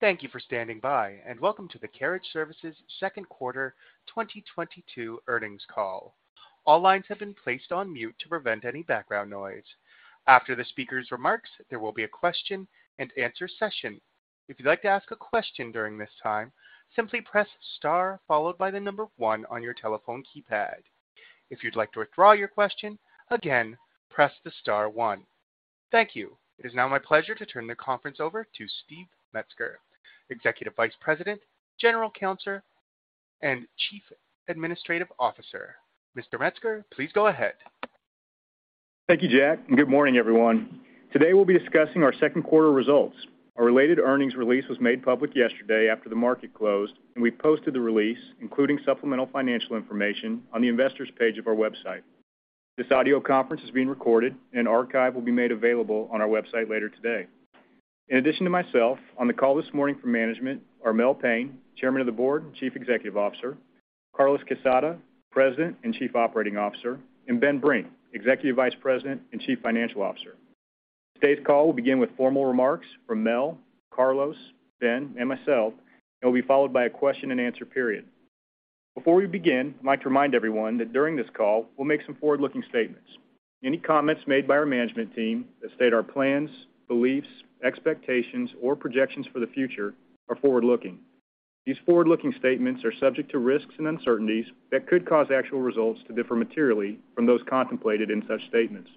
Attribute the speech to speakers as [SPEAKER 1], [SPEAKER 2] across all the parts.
[SPEAKER 1] Thank you for standing by and welcome to the Carriage Services second quarter 2022 earnings call. All lines have been placed on mute to prevent any background noise. After the speaker's remarks, there will be a question and answer session. If you'd like to ask a question during this time, simply press star followed by the number one on your telephone keypad. If you'd like to withdraw your question, again, press the star one. Thank you. It is now my pleasure to turn the conference over to Steve Metzger, Executive Vice President, General Counsel, and Chief Administrative Officer. Mr. Metzger, please go ahead.
[SPEAKER 2] Thank you, Jack, and good morning, everyone. Today we'll be discussing our second quarter results. Our related earnings release was made public yesterday after the market closed, and we posted the release, including supplemental financial information, on the investors page of our website. This audio conference is being recorded, and an archive will be made available on our website later today. In addition to myself, on the call this morning from management are Mel Payne, Chairman of the Board and Chief Executive Officer, Carlos R. Quezada, President and Chief Operating Officer, and Ben Brink, Executive Vice President and Chief Financial Officer. Today's call will begin with formal remarks from Mel, Carlos, Ben, and myself, and will be followed by a question and answer period. Before we begin, I'd like to remind everyone that during this call, we'll make some forward-looking statements. Any comments made by our management team that state our plans, beliefs, expectations, or projections for the future are forward-looking. These forward-looking statements are subject to risks and uncertainties that could cause actual results to differ materially from those contemplated in such statements.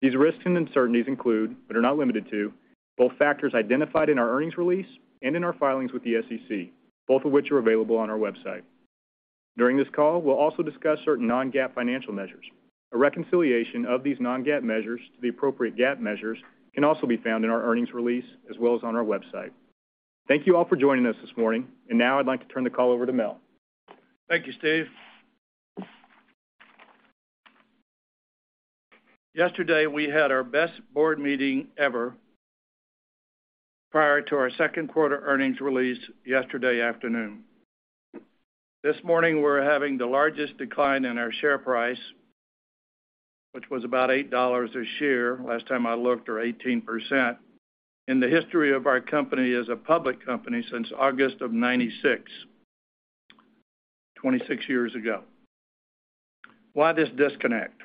[SPEAKER 2] These risks and uncertainties include, but are not limited to, both factors identified in our earnings release and in our filings with the SEC, both of which are available on our website. During this call, we'll also discuss certain non-GAAP financial measures. A reconciliation of these non-GAAP measures to the appropriate GAAP measures can also be found in our earnings release as well as on our website. Thank you all for joining us this morning, and now I'd like to turn the call over to Mel.
[SPEAKER 3] Thank you, Steve. Yesterday, we had our best board meeting ever prior to our second quarter earnings release yesterday afternoon. This morning, we're having the largest decline in our share price, which was about $8 a share last time I looked, or 18%, in the history of our company as a public company since August of 1996, 26 years ago. Why this disconnect?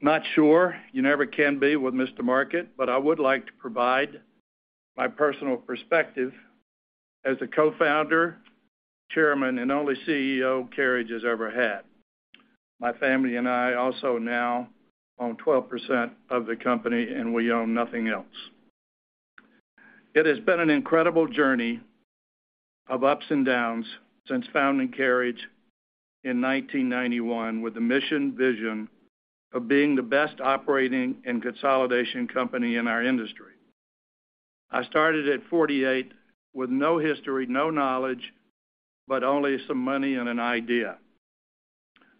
[SPEAKER 3] Not sure. You never can be with Mr. Market, but I would like to provide my personal perspective as a co-founder, chairman, and only CEO Carriage has ever had. My family and I also now own 12% of the company, and we own nothing else. It has been an incredible journey of ups and downs since founding Carriage in 1991 with the mission, vision of being the best operating and consolidation company in our industry. I started at 48 with no history, no knowledge, but only some money and an idea.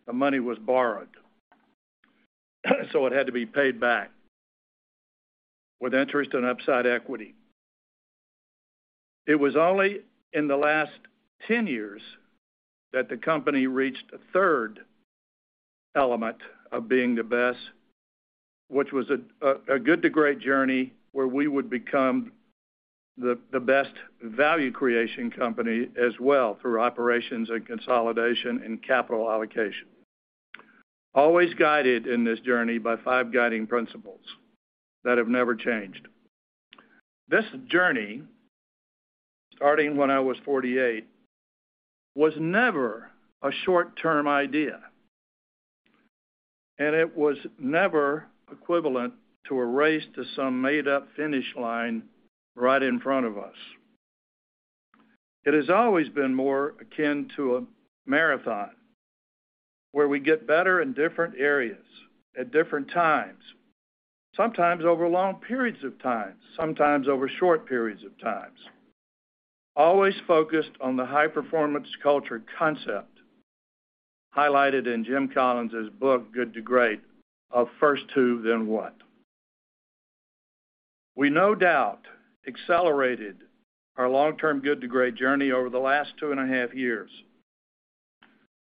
[SPEAKER 3] The money was borrowed, so it had to be paid back with interest and upside equity. It was only in the last 10 years that the company reached a third element of being the best, which was a Good to Great journey where we would become the best value creation company as well through operations and consolidation and capital allocation. Always guided in this journey by five guiding principles that have never changed. This journey, starting when I was 48, was never a short-term idea, and it was never equivalent to a race to some made-up finish line right in front of us. It has always been more akin to a marathon, where we get better in different areas at different times, sometimes over long periods of times, sometimes over short periods of times. Always focused on the high-performance culture concept highlighted in Jim Collins' book, Good to Great, of first who, then what. We no doubt accelerated our long-term good to great journey over the last 2.5 years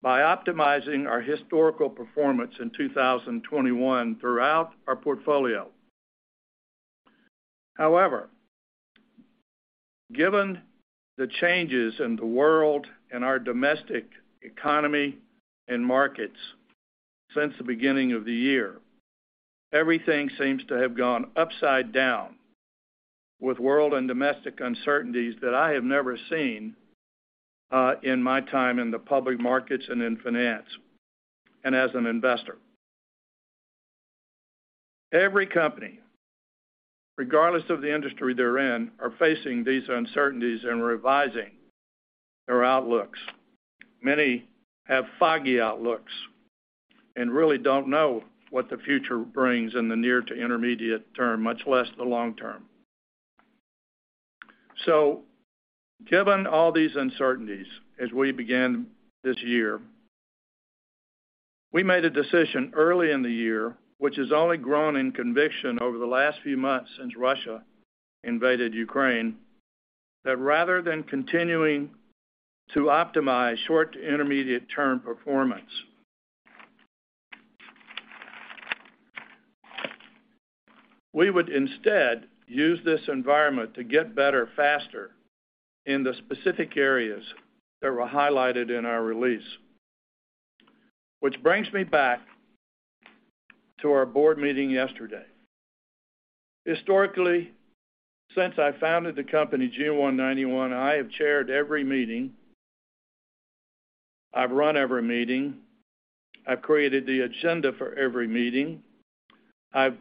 [SPEAKER 3] by optimizing our historical performance in 2021 throughout our portfolio. However, given the changes in the world and our domestic economy and markets since the beginning of the year, everything seems to have gone upside down with world and domestic uncertainties that I have never seen in my time in the public markets and in finance and as an investor. Every company, regardless of the industry they're in, are facing these uncertainties and revising their outlooks. Many have foggy outlooks and really don't know what the future brings in the near to intermediate term, much less the long term. Given all these uncertainties as we began this year, we made a decision early in the year, which has only grown in conviction over the last few months since Russia invaded Ukraine, that rather than continuing to optimize short to intermediate term performance. We would instead use this environment to get better faster in the specific areas that were highlighted in our release. Which brings me back to our board meeting yesterday. Historically, since I founded the company June 1, 1991, I have chaired every meeting. I've run every meeting. I've created the agenda for every meeting. I've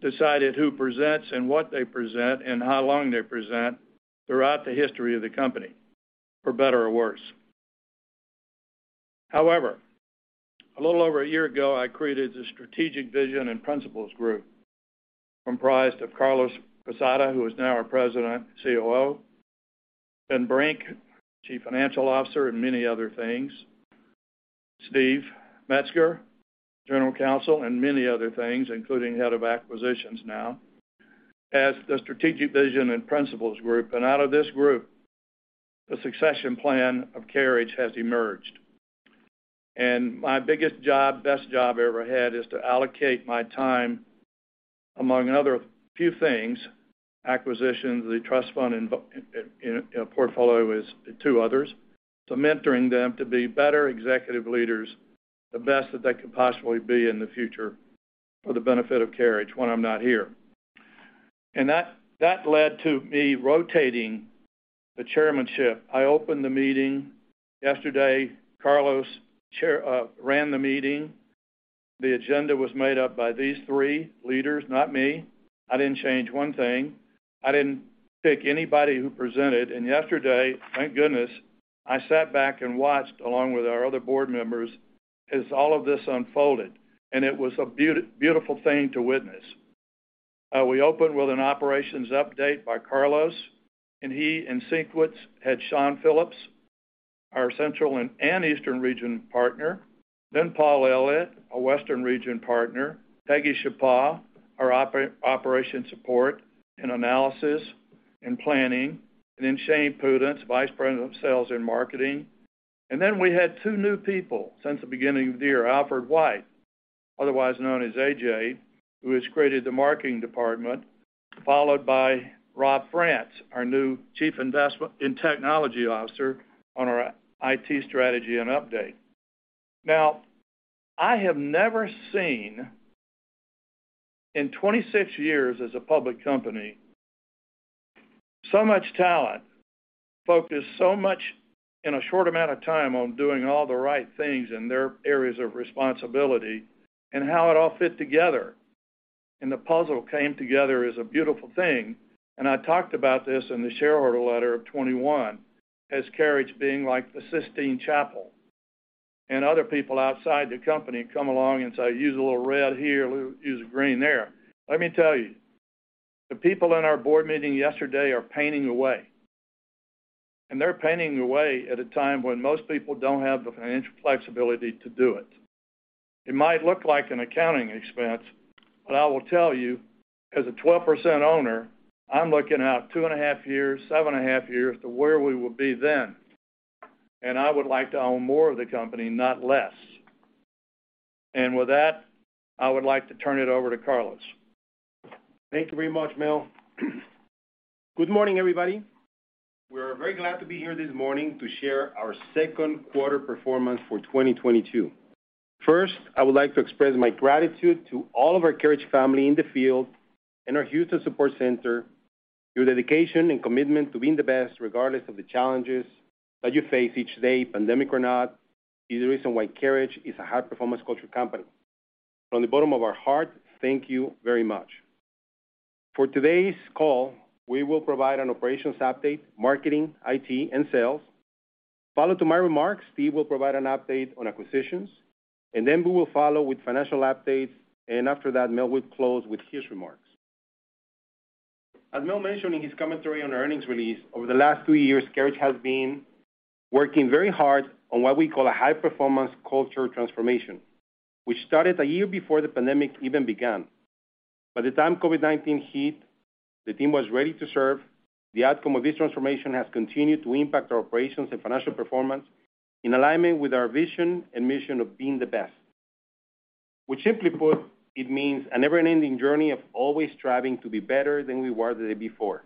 [SPEAKER 3] decided who presents and what they present and how long they present throughout the history of the company, for better or worse. However, a little over a year ago, I created the Strategic Vision and Principles Group comprised of Carlos R. Quezada, who is now our President and COO, Ben Brink, Chief Financial Officer, and many other things. Steve Metzger, General Counsel, and many other things, including head of acquisitions now, as the Strategic Vision and Principles Group. Out of this group, the succession plan of Carriage has emerged. My biggest job, best job I ever had, is to allocate my time among other few things, acquisitions, the trust fund and, you know, portfolio is two others, to mentoring them to be better executive leaders, the best that they could possibly be in the future for the benefit of Carriage when I'm not here. That led to me rotating the chairmanship. I opened the meeting yesterday. Carlos ran the meeting. The agenda was made up by these three leaders, not me. I didn't change one thing. I didn't pick anybody who presented. Yesterday, thank goodness, I sat back and watched, along with our other board members, as all of this unfolded, and it was a beautiful thing to witness. We opened with an operations update by Carlos, and he in sequence had Sean Phillips, our Central and Eastern Region partner, then Paul Elliott, our Western Region partner, Peggy Chaput, our operations support in analysis and planning, and then Shane Pudenz, Vice President of Sales and Marketing. Then we had two new people since the beginning of the year, Alfred White, otherwise known as AJ, who has created the marketing department, followed by Rob Franch, our new Chief Information Officer on our IT strategy and update. Now, I have never seen in 26 years as a public company so much talent focused so much in a short amount of time on doing all the right things in their areas of responsibility and how it all fit together, and the puzzle came together as a beautiful thing. I talked about this in the shareholder letter of 2021 as Carriage being like the Sistine Chapel, and other people outside the company come along and say, "Use a little red here, use a green there." Let me tell you, the people in our board meeting yesterday are painting away, and they're painting away at a time when most people don't have the financial flexibility to do it. It might look like an accounting expense, but I will tell you, as a 12% owner, I'm looking out 2.5 years, 7.5 years to where we will be then, and I would like to own more of the company, not less. With that, I would like to turn it over to Carlos.
[SPEAKER 4] Thank you very much, Mel. Good morning, everybody. We're very glad to be here this morning to share our second quarter performance for 2022. First, I would like to express my gratitude to all of our Carriage family in the field and our Houston Support Center. Your dedication and commitment to being the best, regardless of the challenges that you face each day, pandemic or not, is the reason why Carriage is a high-performance culture company. From the bottom of our hearts, thank you very much. For today's call, we will provide an operations update, marketing, IT, and sales. Following my remarks, Steve will provide an update on acquisitions, and then Boo will follow with financial updates, and after that, Mel will close with his remarks. As Mel mentioned in his commentary on our earnings release, over the last two years, Carriage has been working very hard on what we call a high-performance culture transformation, which started a year before the pandemic even began. By the time COVID-19 hit, the team was ready to serve. The outcome of this transformation has continued to impact our operations and financial performance in alignment with our vision and mission of being the best, which simply put, it means a never-ending journey of always striving to be better than we were the day before.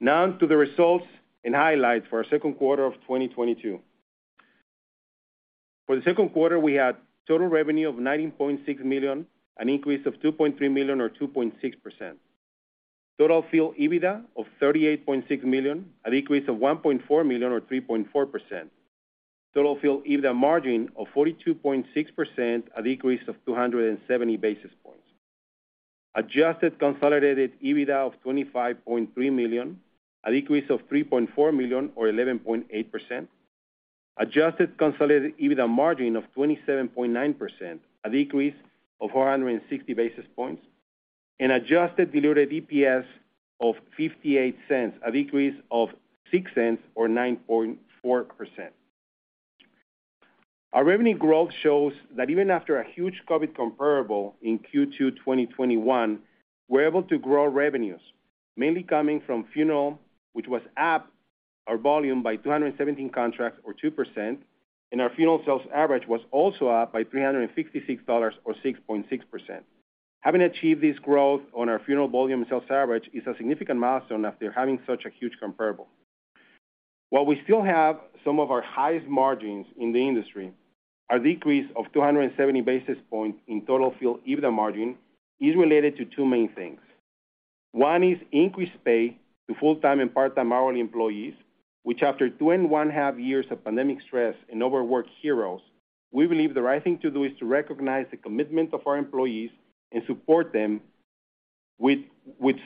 [SPEAKER 4] Now to the results and highlights for our second quarter of 2022. For the second quarter, we had total revenue of $19.6 million, an increase of $2.3 million or 2.6%. Total field EBITDA of $38.6 million, a decrease of $1.4 million or 3.4%. Total field EBITDA margin of 42.6%, a decrease of 270 basis points. Adjusted consolidated EBITDA of $25.3 million, a decrease of $3.4 million or 11.8%. Adjusted consolidated EBITDA margin of 27.9%, a decrease of 460 basis points. Adjusted diluted EPS of $0.58, a decrease of $0.06 or 9.4%. Our revenue growth shows that even after a huge COVID comparable in Q2 2021, we're able to grow revenues, mainly coming from funeral, which was up our volume by 217 contracts or 2%, and our funeral sales average was also up by $356 or 6.6%. Having achieved this growth on our funeral volume sales average is a significant milestone after having such a huge comparable. While we still have some of our highest margins in the industry, our decrease of 270 basis points in total field EBITDA margin is related to two main things. One is increased pay to full-time and part-time hourly employees, which after 2.5 years of pandemic stress and overworked heroes, we believe the right thing to do is to recognize the commitment of our employees and support them with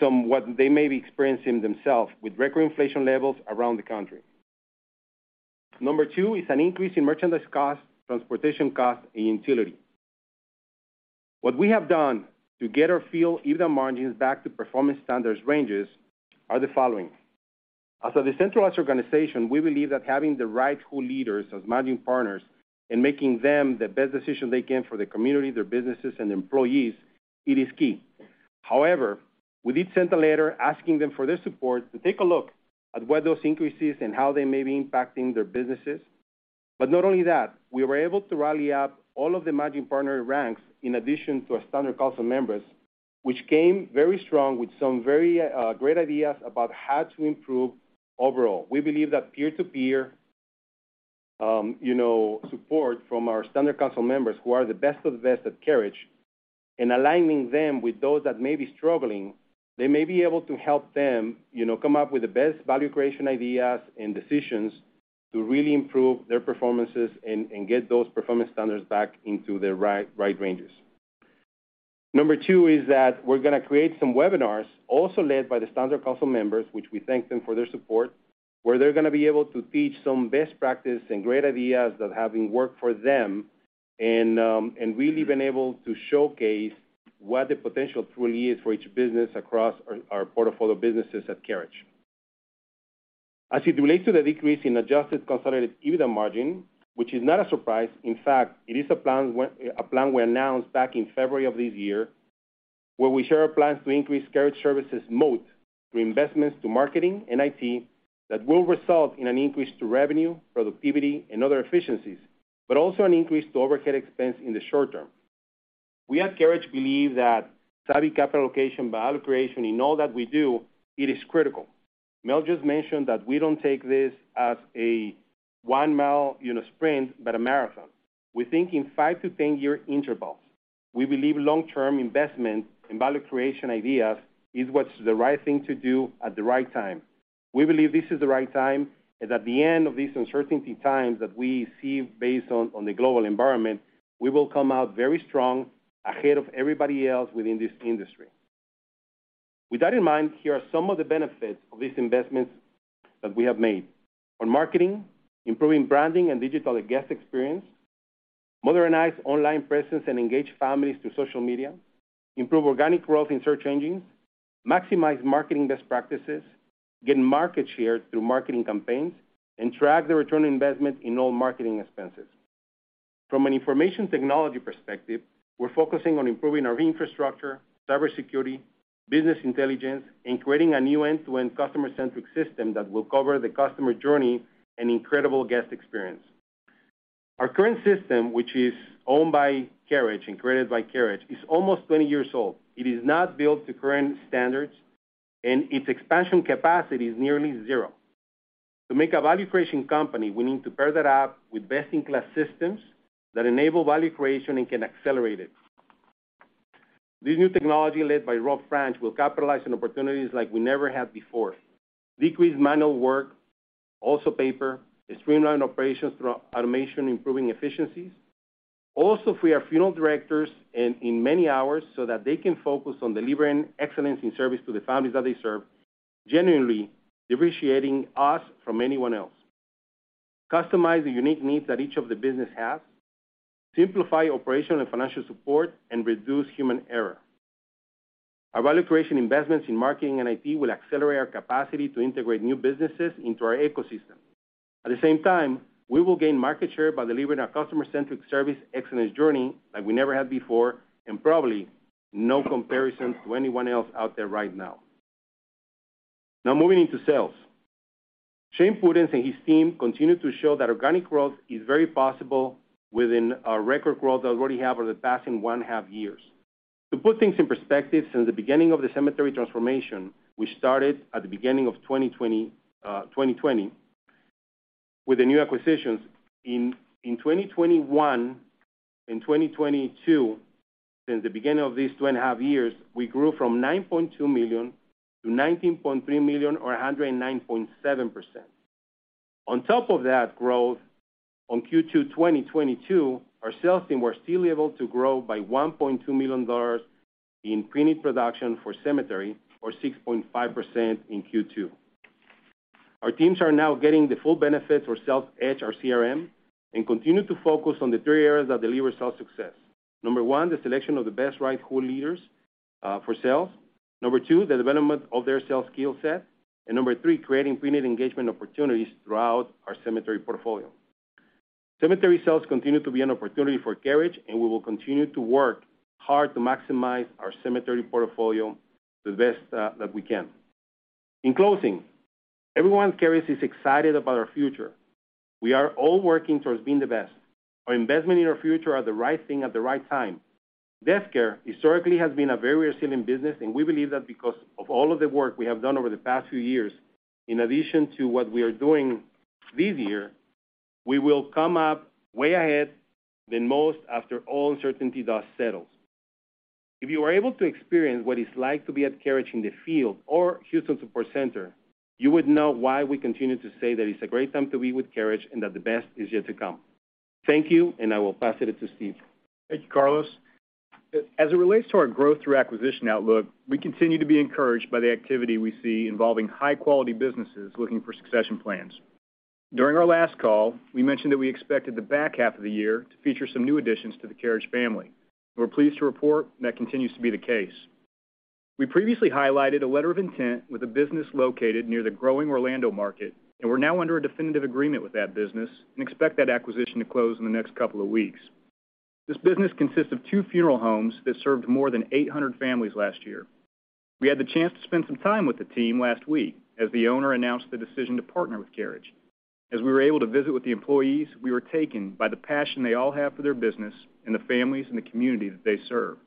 [SPEAKER 4] some what they may be experiencing themselves with record inflation levels around the country. Number two is an increase in merchandise cost, transportation cost, and utility. What we have done to get our field EBITDA margins back to performance standards ranges are the following. As a decentralized organization, we believe that having the right whole leaders as managing partners and making them the best decision they can for their community, their businesses and employees, it is key. However, we did send a letter asking them for their support to take a look at where those increases and how they may be impacting their businesses. Not only that, we were able to rally up all of the managing partner ranks in addition to our Standards Council members, which came very strong with some very great ideas about how to improve overall. We believe that peer-to-peer, you know, support from our Standards Council members who are the best of the best at Carriage and aligning them with those that may be struggling, they may be able to help them, you know, come up with the best value creation ideas and decisions to really improve their performances and get those performance standards back into the right ranges. Number two is that we're gonna create some webinars also led by the Standards Council members, which we thank them for their support, where they're gonna be able to teach some best practice and great ideas that have been worked for them and really been able to showcase what the potential truly is for each business across our portfolio businesses at Carriage. As it relates to the decrease in adjusted consolidated EBITDA margin, which is not a surprise, in fact, it is a plan we announced back in February of this year, where we share our plans to increase Carriage Services' moat through investments to marketing and IT that will result in an increase to revenue, productivity and other efficiencies, but also an increase to overhead expense in the short term. We at Carriage believe that savvy capital allocation, value creation in all that we do, it is critical. Mel just mentioned that we don't take this as a 1-mi, you know, sprint, but a marathon. We think in 5-10-year intervals. We believe long-term investment in value creation ideas is what's the right thing to do at the right time. We believe this is the right time, and at the end of these uncertainty times that we see based on the global environment, we will come out very strong, ahead of everybody else within this industry. With that in mind, here are some of the benefits of these investments that we have made. On marketing, improving branding and digital guest experience, modernize online presence and engage families through social media, improve organic growth in search engines, maximize marketing best practices, gain market share through marketing campaigns, and track the return on investment in all marketing expenses. From an information technology perspective, we're focusing on improving our infrastructure, cyber security, business intelligence, and creating a new end-to-end customer-centric system that will cover the customer journey and incredible guest experience. Our current system, which is owned by Carriage and created by Carriage, is almost 20 years old. It is not built to current standards, and its expansion capacity is nearly zero. To make a value creation company, we need to pair that up with best-in-class systems that enable value creation and can accelerate it. This new technology led by Rob Franch will capitalize on opportunities like we never have before. Decrease manual work, also paper, and streamline operations through automation, improving efficiencies. Also, free our funeral directors in many hours so that they can focus on delivering excellence in service to the families that they serve, genuinely differentiating us from anyone else. Customize the unique needs that each of the business has, simplify operational and financial support, and reduce human error. Our value creation investments in marketing and IT will accelerate our capacity to integrate new businesses into our ecosystem. At the same time, we will gain market share by delivering our customer-centric service excellence journey like we never have before, and probably no comparison to anyone else out there right now. Now, moving into sales. Shane Pudenz and his team continue to show that organic growth is very possible within our record growth that we already have over the past one half years. To put things in perspective, since the beginning of the cemetery transformation, we started at the beginning of 2020 with the new acquisitions. In 2021 and 2022, since the beginning of these two and a half years, we grew from $9.2 million to $19.3 million or 109.7%. On top of that growth, in Q2 2022, our sales team were still able to grow by $1.2 million in pre-need production for cemetery or 6.5% in Q2. Our teams are now getting the full benefits for Sales Edge, our CRM, and continue to focus on the three areas that deliver sales success. Number 1, the selection of the best right whole leaders for sales. Number 2, the development of their sales skill set. Number 3, creating pre-need engagement opportunities throughout our cemetery portfolio. Cemetery sales continue to be an opportunity for Carriage, and we will continue to work hard to maximize our cemetery portfolio the best that we can. In closing, everyone at Carriage is excited about our future. We are all working towards being the best. Our investment in our future are the right thing at the right time. Death care historically has been a very resilient business, and we believe that because of all of the work we have done over the past few years, in addition to what we are doing this year, we will come up way ahead of most after all uncertainty dust settles. If you are able to experience what it's like to be at Carriage in the field or Houston Support Center, you would know why we continue to say that it's a great time to be with Carriage and that the best is yet to come. Thank you, and I will pass it to Steve.
[SPEAKER 2] Thank you, Carlos. As it relates to our growth through acquisition outlook, we continue to be encouraged by the activity we see involving high-quality businesses looking for succession plans. During our last call, we mentioned that we expected the back half of the year to feature some new additions to the Carriage family. We're pleased to report that continues to be the case. We previously highlighted a letter of intent with a business located near the growing Orlando market, and we're now under a definitive agreement with that business and expect that acquisition to close in the next couple of weeks. This business consists of two funeral homes that served more than 800 families last year. We had the chance to spend some time with the team last week as the owner announced the decision to partner with Carriage. As we were able to visit with the employees, we were taken by the passion they all have for their business and the families and the community that they serve.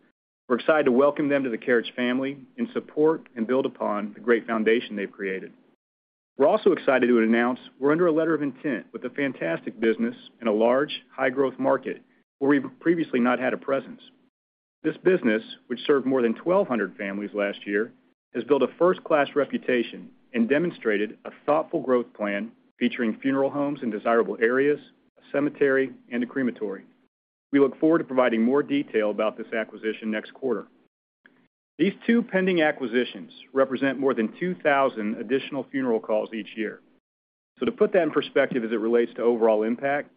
[SPEAKER 2] We're excited to welcome them to the Carriage family and support and build upon the great foundation they've created. We're also excited to announce we're under a letter of intent with a fantastic business in a large, high-growth market where we've previously not had a presence. This business, which served more than 1,200 families last year, has built a first-class reputation and demonstrated a thoughtful growth plan featuring funeral homes in desirable areas, a cemetery, and a crematory. We look forward to providing more detail about this acquisition next quarter. These two pending acquisitions represent more than 2,000 additional funeral calls each year. To put that in perspective as it relates to overall impact,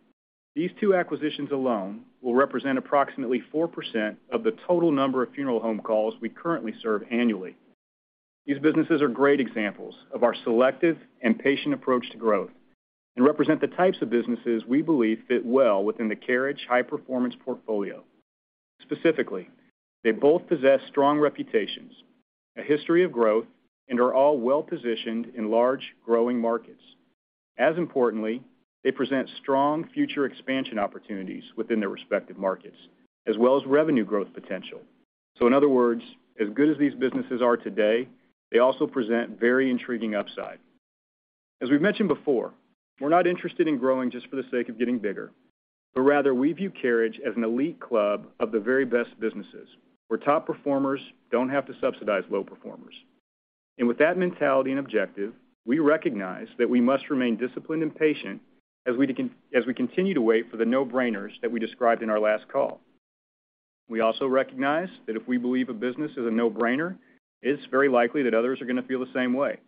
[SPEAKER 2] these two acquisitions alone will represent approximately 4% of the total number of funeral home calls we currently serve annually. These businesses are great examples of our selective and patient approach to growth and represent the types of businesses we believe fit well within the Carriage high-performance portfolio. Specifically, they both possess strong reputations, a history of growth, and are all well-positioned in large, growing markets. As importantly, they present strong future expansion opportunities within their respective markets, as well as revenue growth potential. In other words, as good as these businesses are today, they also present very intriguing upside. As we've mentioned before, we're not interested in growing just for the sake of getting bigger, but rather we view Carriage as an elite club of the very best businesses, where top performers don't have to subsidize low performers. With that mentality and objective, we recognize that we must remain disciplined and patient as we continue to wait for the no-brainers that we described in our last call. We also recognize that if we believe a business is a no-brainer, it's very likely that others are gonna feel the same way.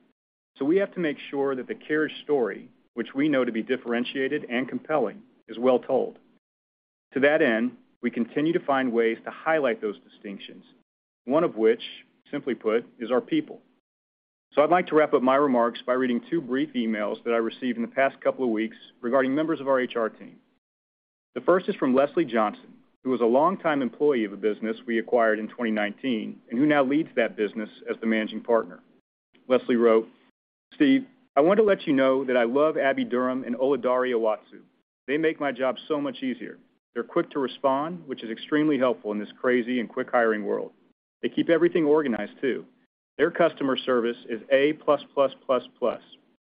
[SPEAKER 2] We have to make sure that the Carriage story, which we know to be differentiated and compelling, is well told. To that end, we continue to find ways to highlight those distinctions, one of which, simply put, is our people. I'd like to wrap up my remarks by reading two brief emails that I received in the past couple of weeks regarding members of our HR team. The first is from Leslie Johnson, who was a longtime employee of a business we acquired in 2019 and who now leads that business as the managing partner. Leslie wrote, "Steve, I want to let you know that I love Abby Durham and Oludare Owolabi. They make my job so much easier. They're quick to respond, which is extremely helpful in this crazy and quick hiring world. They keep everything organized too. Their customer service is A plus plus plus plus."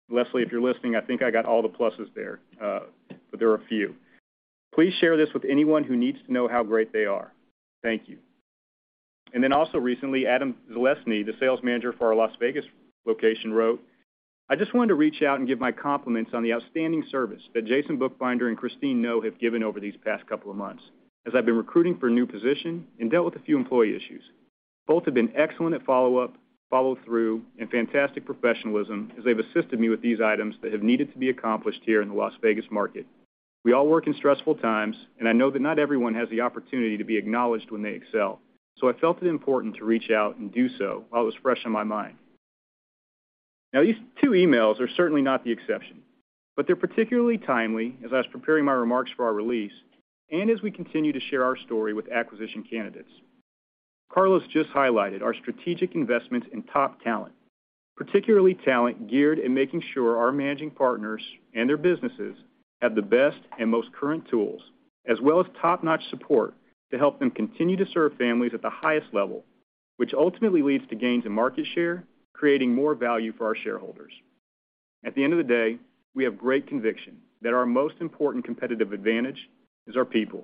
[SPEAKER 2] Leslie, if you're listening, I think I got all the pluses there, but there are a few. "Please share this with anyone who needs to know how great they are. Thank you." Recently, Adam Zalesny, Sales Manager for our Las Vegas location, wrote, "I just wanted to reach out and give my compliments on the outstanding service that Jason Bookbinder and Christine Ngo have given over these past couple of months, as I've been recruiting for a new position and dealt with a few employee issues. Both have been excellent at follow-up, follow-through, and fantastic professionalism as they've assisted me with these items that have needed to be accomplished here in the Las Vegas market. We all work in stressful times, and I know that not everyone has the opportunity to be acknowledged when they excel, so I felt it important to reach out and do so while it was fresh in my mind. Now these two emails are certainly not the exception, but they're particularly timely as I was preparing my remarks for our release and as we continue to share our story with acquisition candidates. Carlos just highlighted our strategic investments in top talent, particularly talent geared in making sure our managing partners and their businesses have the best and most current tools as well as top-notch support to help them continue to serve families at the highest level, which ultimately leads to gains in market share, creating more value for our shareholders. At the end of the day, we have great conviction that our most important competitive advantage is our people.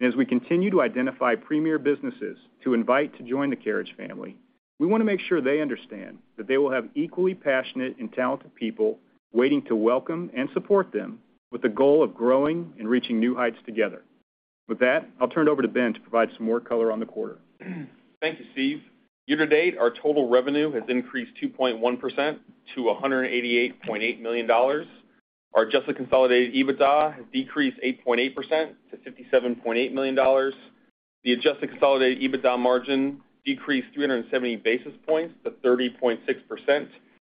[SPEAKER 2] As we continue to identify premier businesses to invite to join the Carriage family, we wanna make sure they understand that they will have equally passionate and talented people waiting to welcome and support them with the goal of growing and reaching new heights together. With that, I'll turn it over to Ben to provide some more color on the quarter.
[SPEAKER 5] Thank you, Steve. Year to date, our total revenue has increased 2.1% to $188.8 million. Our adjusted consolidated EBITDA has decreased 8.8% to $57.8 million. The adjusted consolidated EBITDA margin decreased 370 basis points to 30.6%,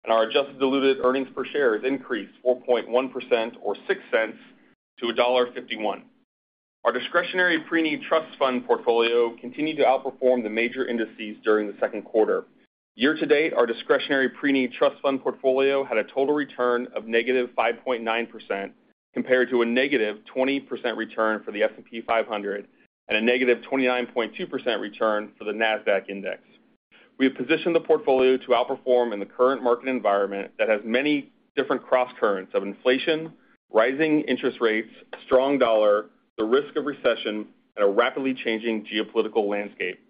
[SPEAKER 5] and our adjusted diluted earnings per share has increased 4.1% or $0.06 to $1.51. Our discretionary preneed trust fund portfolio continued to outperform the major indices during the second quarter. Year-to-date, our discretionary preneed trust fund portfolio had a total return of -5.9% compared to a -20% return for the S&P 500 and a -29.2% return for the Nasdaq index. We have positioned the portfolio to outperform in the current market environment that has many different crosscurrents of inflation, rising interest rates, strong dollar, the risk of recession, and a rapidly changing geopolitical landscape.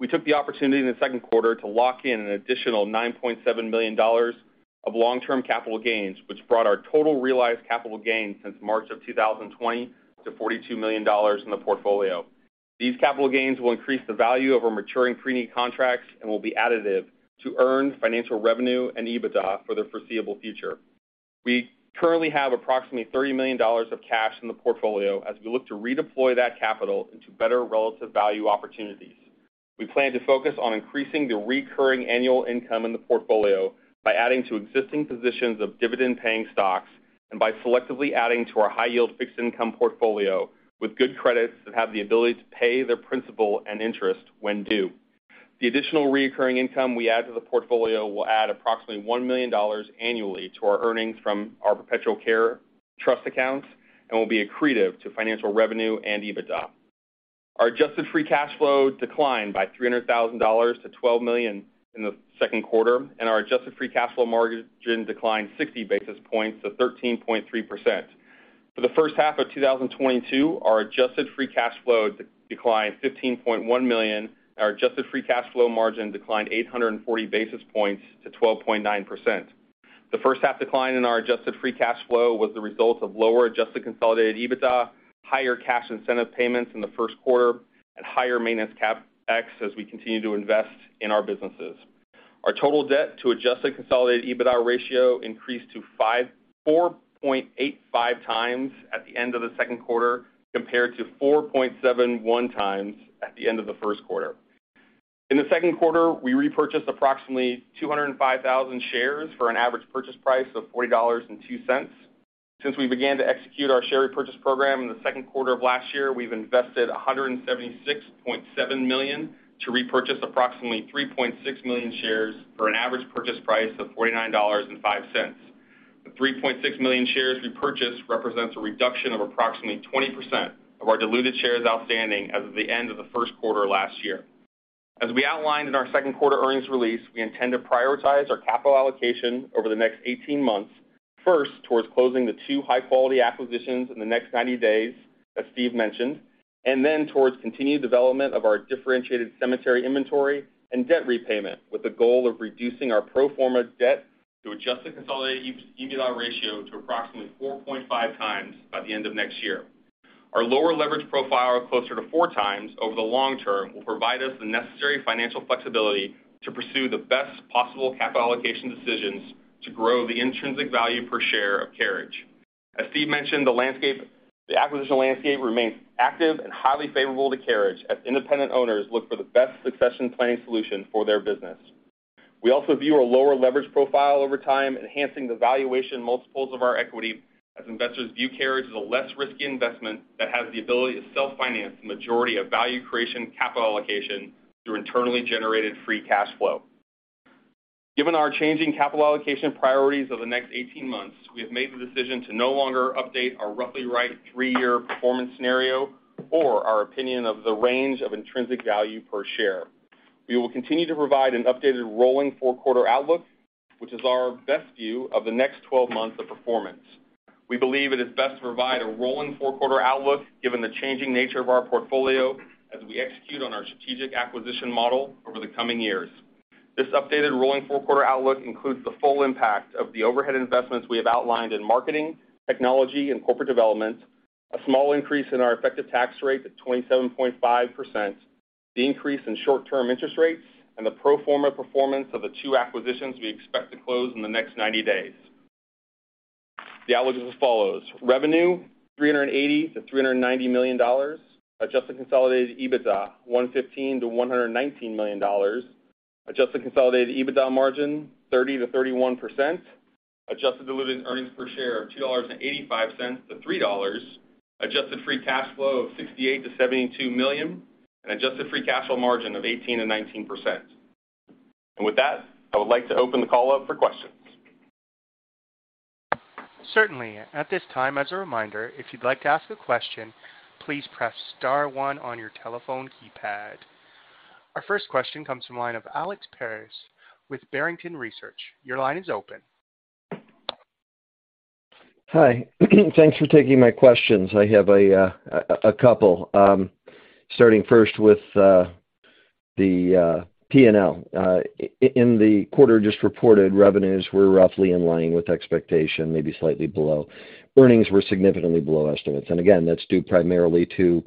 [SPEAKER 5] We took the opportunity in the second quarter to lock in an additional $9.7 million of long-term capital gains, which brought our total realized capital gains since March of 2020 to $42 million in the portfolio. These capital gains will increase the value of our maturing preneed contracts and will be additive to earn financial revenue and EBITDA for the foreseeable future. We currently have approximately $30 million of cash in the portfolio as we look to redeploy that capital into better relative value opportunities. We plan to focus on increasing the recurring annual income in the portfolio by adding to existing positions of dividend-paying stocks and by selectively adding to our high-yield fixed income portfolio with good credits that have the ability to pay their principal and interest when due. The additional recurring income we add to the portfolio will add approximately $1 million annually to our earnings from our perpetual care trust accounts and will be accretive to financial revenue and EBITDA. Our adjusted free cash flow declined by $300,000 to $12 million in the second quarter, and our adjusted free cash flow margin declined 60 basis points to 13.3%. For the first half of 2022, our adjusted free cash flow declined $15.1 million, and our adjusted free cash flow margin declined 840 basis points to 12.9%. The first half decline in our adjusted free cash flow was the result of lower adjusted consolidated EBITDA, higher cash incentive payments in the first quarter, and higher maintenance CapEx as we continue to invest in our businesses. Our total debt to adjusted consolidated EBITDA ratio increased to 4.85 times at the end of the second quarter compared to 4.71 times at the end of the first quarter. In the second quarter, we repurchased approximately 205,000 shares for an average purchase price of $40.02. Since we began to execute our share repurchase program in the second quarter of last year, we've invested $176.7 million to repurchase approximately 3.6 million shares for an average purchase price of $49.05. The 3.6 million shares repurchased represents a reduction of approximately 20% of our diluted shares outstanding as of the end of the first quarter last year. As we outlined in our second quarter earnings release, we intend to prioritize our capital allocation over the next 18 months, first, towards closing the two high-quality acquisitions in the next 90 days, as Steve mentioned, and then towards continued development of our differentiated cemetery inventory and debt repayment with the goal of reducing our pro forma debt to adjusted consolidated EBITDA ratio to approximately 4.5 times by the end of next year. Our lower leverage profile of closer to four times over the long term will provide us the necessary financial flexibility to pursue the best possible capital allocation decisions to grow the intrinsic value per share of Carriage. As Steve mentioned, the landscape, the acquisition landscape remains active and highly favorable to Carriage as independent owners look for the best succession planning solution for their business. We also view our lower leverage profile over time, enhancing the valuation multiples of our equity as investors view Carriage as a less risky investment that has the ability to self-finance the majority of value creation capital allocation through internally generated free cash flow. Given our changing capital allocation priorities over the next 18 months, we have made the decision to no longer update our roughly right three-year performance scenario or our opinion of the range of intrinsic value per share. We will continue to provide an updated rolling four-quarter outlook, which is our best view of the next 12 months of performance. We believe it is best to provide a rolling four-quarter outlook given the changing nature of our portfolio as we execute on our strategic acquisition model over the coming years. This updated rolling four-quarter outlook includes the full impact of the overhead investments we have outlined in marketing, technology, and corporate development, a small increase in our effective tax rate to 27.5%, the increase in short-term interest rates, and the pro forma performance of the two acquisitions we expect to close in the next 90 days. The outlook is as follows. Revenue $380 million-$390 million. Adjusted consolidated EBITDA $115 million-$119 million. Adjusted consolidated EBITDA margin 30%-31%. Adjusted diluted earnings per share of $2.85-$3. Adjusted free cash flow of $68 million-$72 million. Adjusted free cash flow margin of 18%-19%. With that, I would like to open the call up for questions.
[SPEAKER 1] Certainly. At this time, as a reminder, if you'd like to ask a question, please press star one on your telephone keypad. Our first question comes from the line of Alex Paris with Barrington Research. Your line is open.
[SPEAKER 6] Hi. Thanks for taking my questions. I have a couple. Starting first with the P&L. In the quarter just reported, revenues were roughly in line with expectation, maybe slightly below. Earnings were significantly below estimates. Again, that's due primarily to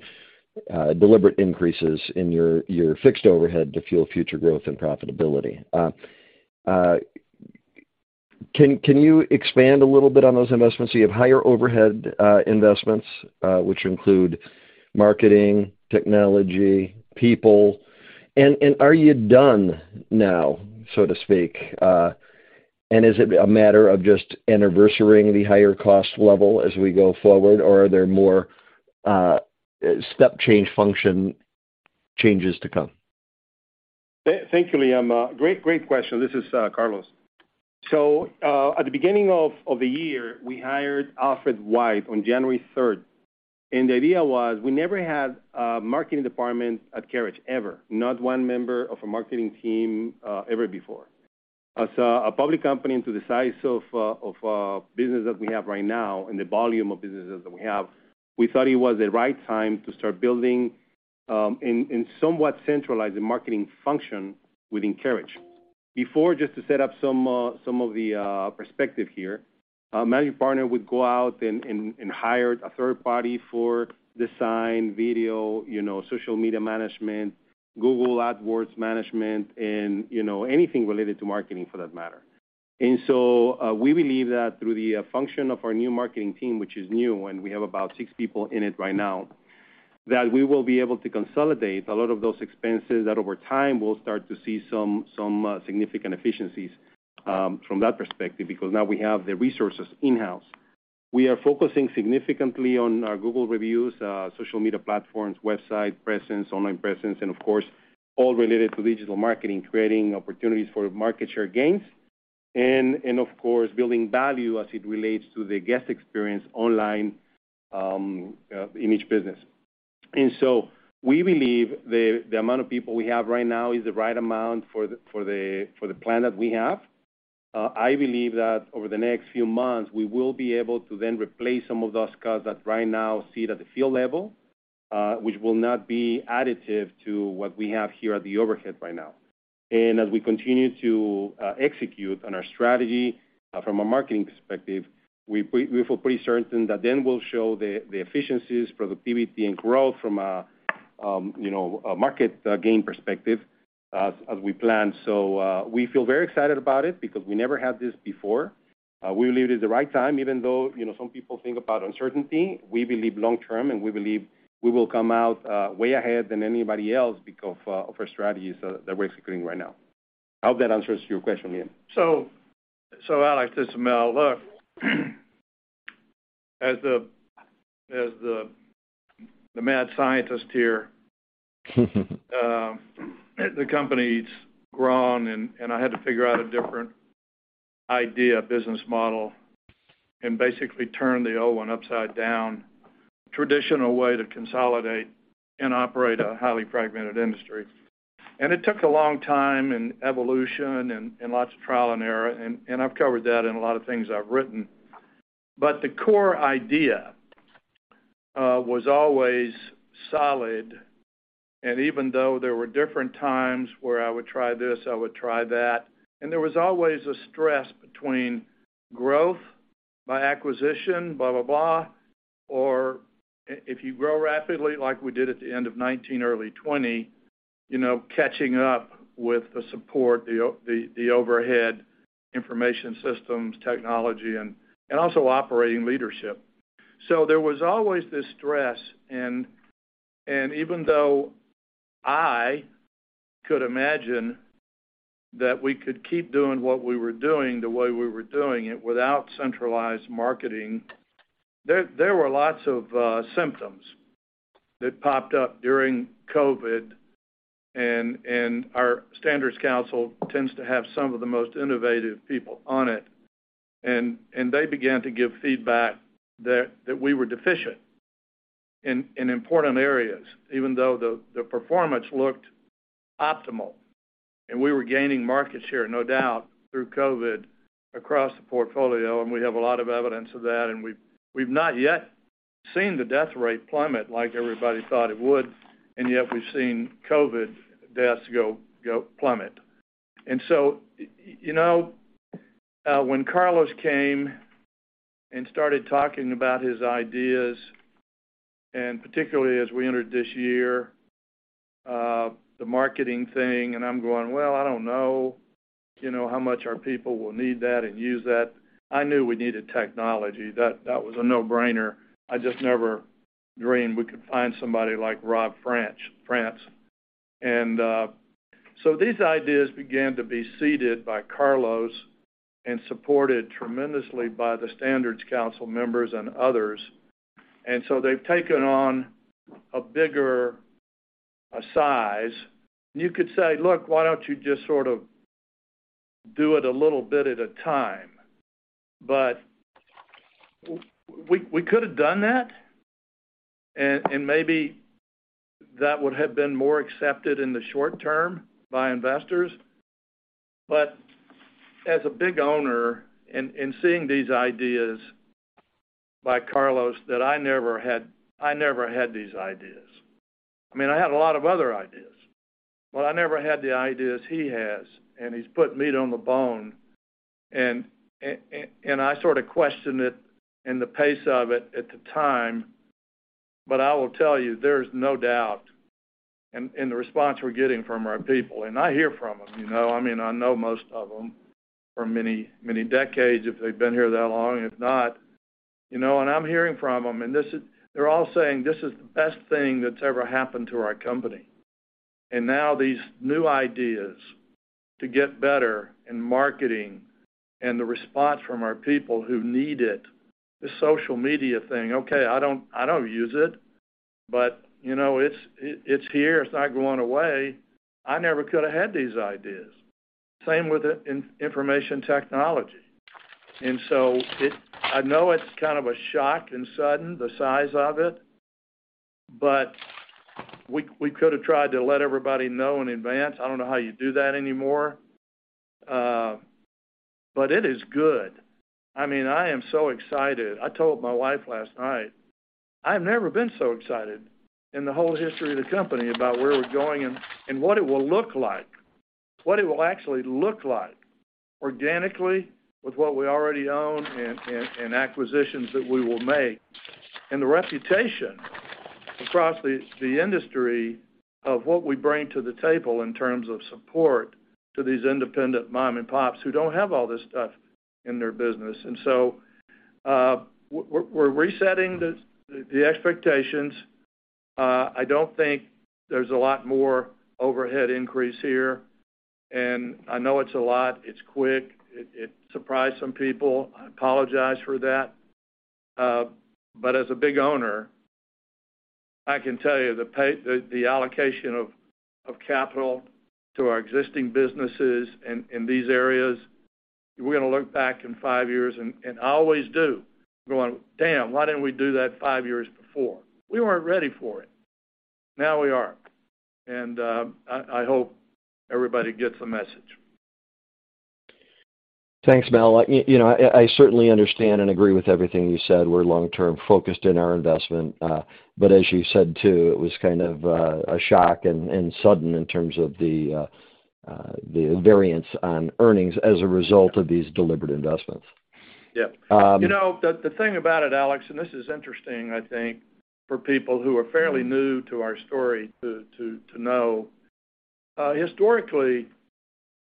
[SPEAKER 6] deliberate increases in your fixed overhead to fuel future growth and profitability. Can you expand a little bit on those investments? You have higher overhead investments, which include marketing, technology, people. Are you done now, so to speak? Is it a matter of just anniversarying the higher cost level as we go forward, or are there more step change function changes to come?
[SPEAKER 4] Thank you, Liam. Great question. This is Carlos. At the beginning of the year, we hired Alfred White on January 3rd. The idea was we never had a marketing department at Carriage, ever. Not one member of a marketing team, ever before. As a public company to the size of business that we have right now and the volume of businesses that we have, we thought it was the right time to start building and somewhat centralize the marketing function within Carriage. Before, just to set up some of the perspective here, a managing partner would go out and hire a third party for design, video, you know, social media management, Google Ads management, you know, anything related to marketing for that matter. We believe that through the function of our new marketing team, which is new, and we have about six people in it right now, that we will be able to consolidate a lot of those expenses that over time will start to see some significant efficiencies from that perspective, because now we have the resources in-house. We are focusing significantly on our Google reviews, social media platforms, website presence, online presence, and of course, all related to digital marketing, creating opportunities for market share gains and of course, building value as it relates to the guest experience online in each business. We believe the amount of people we have right now is the right amount for the plan that we have. I believe that over the next few months, we will be able to then replace some of those costs that right now sit at the field level, which will not be additive to what we have here at the overhead right now. As we continue to execute on our strategy from a marketing perspective, we feel pretty certain that then we'll show the efficiencies, productivity and growth from a, you know, a market gain perspective as we plan. We feel very excited about it because we never had this before. We believe it is the right time, even though, you know, some people think about uncertainty. We believe long term, and we believe we will come out way ahead than anybody else because of our strategies that we're executing right now. I hope that answers your question, Liam.
[SPEAKER 3] I'll add to this, Mel. Look, as the mad scientist here, the company's grown and I had to figure out a different idea, business model, and basically turn the old one upside down. Traditional way to consolidate and operate a highly fragmented industry. It took a long time and evolution and lots of trial and error, and I've covered that in a lot of things I've written. The core idea was always solid. Even though there were different times where I would try this, I would try that, and there was always a stress between growth by acquisition, blah, blah, or if you grow rapidly like we did at the end of 2019, early 2020, you know, catching up with the support, the overhead information systems, technology and also operating leadership. There was always this stress and even though I could imagine that we could keep doing what we were doing the way we were doing it without centralized marketing, there were lots of symptoms that popped up during COVID, and our Standards Council tends to have some of the most innovative people on it. They began to give feedback that we were deficient in important areas, even though the performance looked optimal. We were gaining market share, no doubt, through COVID across the portfolio, and we have a lot of evidence of that. We've not yet seen the death rate plummet like everybody thought it would, and yet we've seen COVID deaths go plummet. You know, when Carlos came and started talking about his ideas, and particularly as we entered this year, the marketing thing, and I'm going, "Well, I don't know, you know, how much our people will need that and use that." I knew we needed technology. That was a no-brainer. I just never dreamed we could find somebody like Rob Franch. These ideas began to be seeded by Carlos and supported tremendously by the Standards Council members and others. They've taken on a bigger size. You could say, "Look, why don't you just sort of do it a little bit at a time?" We could have done that and maybe that would have been more accepted in the short term by investors. As a big owner and seeing these ideas by Carlos that I never had. I never had these ideas. I mean, I had a lot of other ideas, but I never had the ideas he has, and he's put meat on the bone. I sort of questioned it and the pace of it at the time. I will tell you, there's no doubt in the response we're getting from our people, and I hear from them, you know. I mean, I know most of them for many, many decades, if they've been here that long. If not... You know, I'm hearing from them, and this is. They're all saying, "This is the best thing that's ever happened to our company." Now these new ideas to get better in marketing and the response from our people who need it, the social media thing. Okay, I don't use it, but you know it's here. It's not going away. I never could have had these ideas. Same with the information technology. It is kind of a shock and sudden, the size of it, but we could have tried to let everybody know in advance. I don't know how you do that anymore. But it is good. I mean, I am so excited. I told my wife last night, "I've never been so excited in the whole history of the company about where we're going and what it will look like, what it will actually look like organically with what we already own and acquisitions that we will make, and the reputation across the industry of what we bring to the table in terms of support to these independent mom and pops who don't have all this stuff in their business." We're resetting the expectations. I don't think there's a lot more overhead increase here. I know it's a lot. It's quick. It surprised some people. I apologize for that. As a big owner, I can tell you, the allocation of capital to our existing businesses in these areas, we're gonna look back in five years and I always do, going, "Damn, why didn't we do that five years before?" We weren't ready for it. Now we are. I hope everybody gets the message.
[SPEAKER 6] Thanks, Mel. You know, I certainly understand and agree with everything you said. We're long-term focused in our investment. As you said too, it was kind of a shock and sudden in terms of the variance on earnings as a result of these deliberate investments.
[SPEAKER 3] Yeah.
[SPEAKER 6] Um-
[SPEAKER 3] You know, the thing about it, Alex, and this is interesting, I think, for people who are fairly new to our story to know. Historically,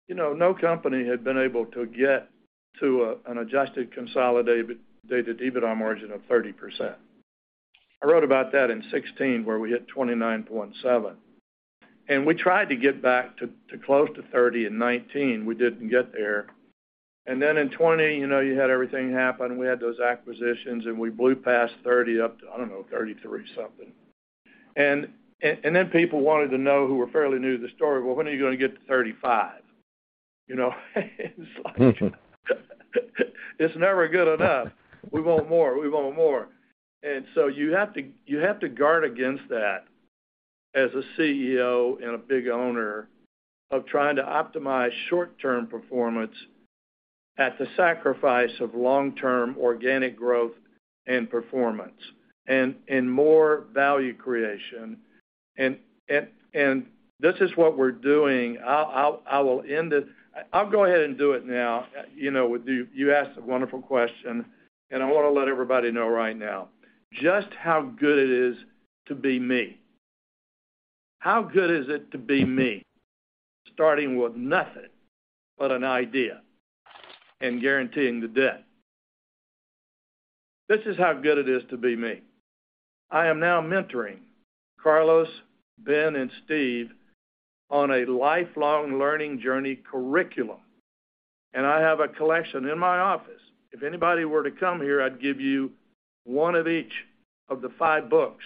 [SPEAKER 3] you know, no company had been able to get to an Adjusted consolidated EBITDA margin of 30%. I wrote about that in 2016, where we hit 29.7%. We tried to get back to close to 30% in 2019. We didn't get there. Then in 2020, you know, you had everything happen. We had those acquisitions, and we blew past 30% up to, I don't know, 33% something. Then people wanted to know, who were fairly new to the story, "Well, when are you gonna get to 35%?" You know, it's like it's never good enough. We want more, we want more. You have to guard against that as a CEO and a big owner of trying to optimize short-term performance at the sacrifice of long-term organic growth and performance, and this is what we're doing. I'll end it. I'll go ahead and do it now. You know, with you asked a wonderful question, and I wanna let everybody know right now just how good it is to be me. How good is it to be me, starting with nothing but an idea and guaranteeing the debt? This is how good it is to be me. I am now mentoring Carlos, Ben, and Steve on a lifelong learning journey curriculum, and I have a collection in my office. If anybody were to come here, I'd give you one of each of the five books.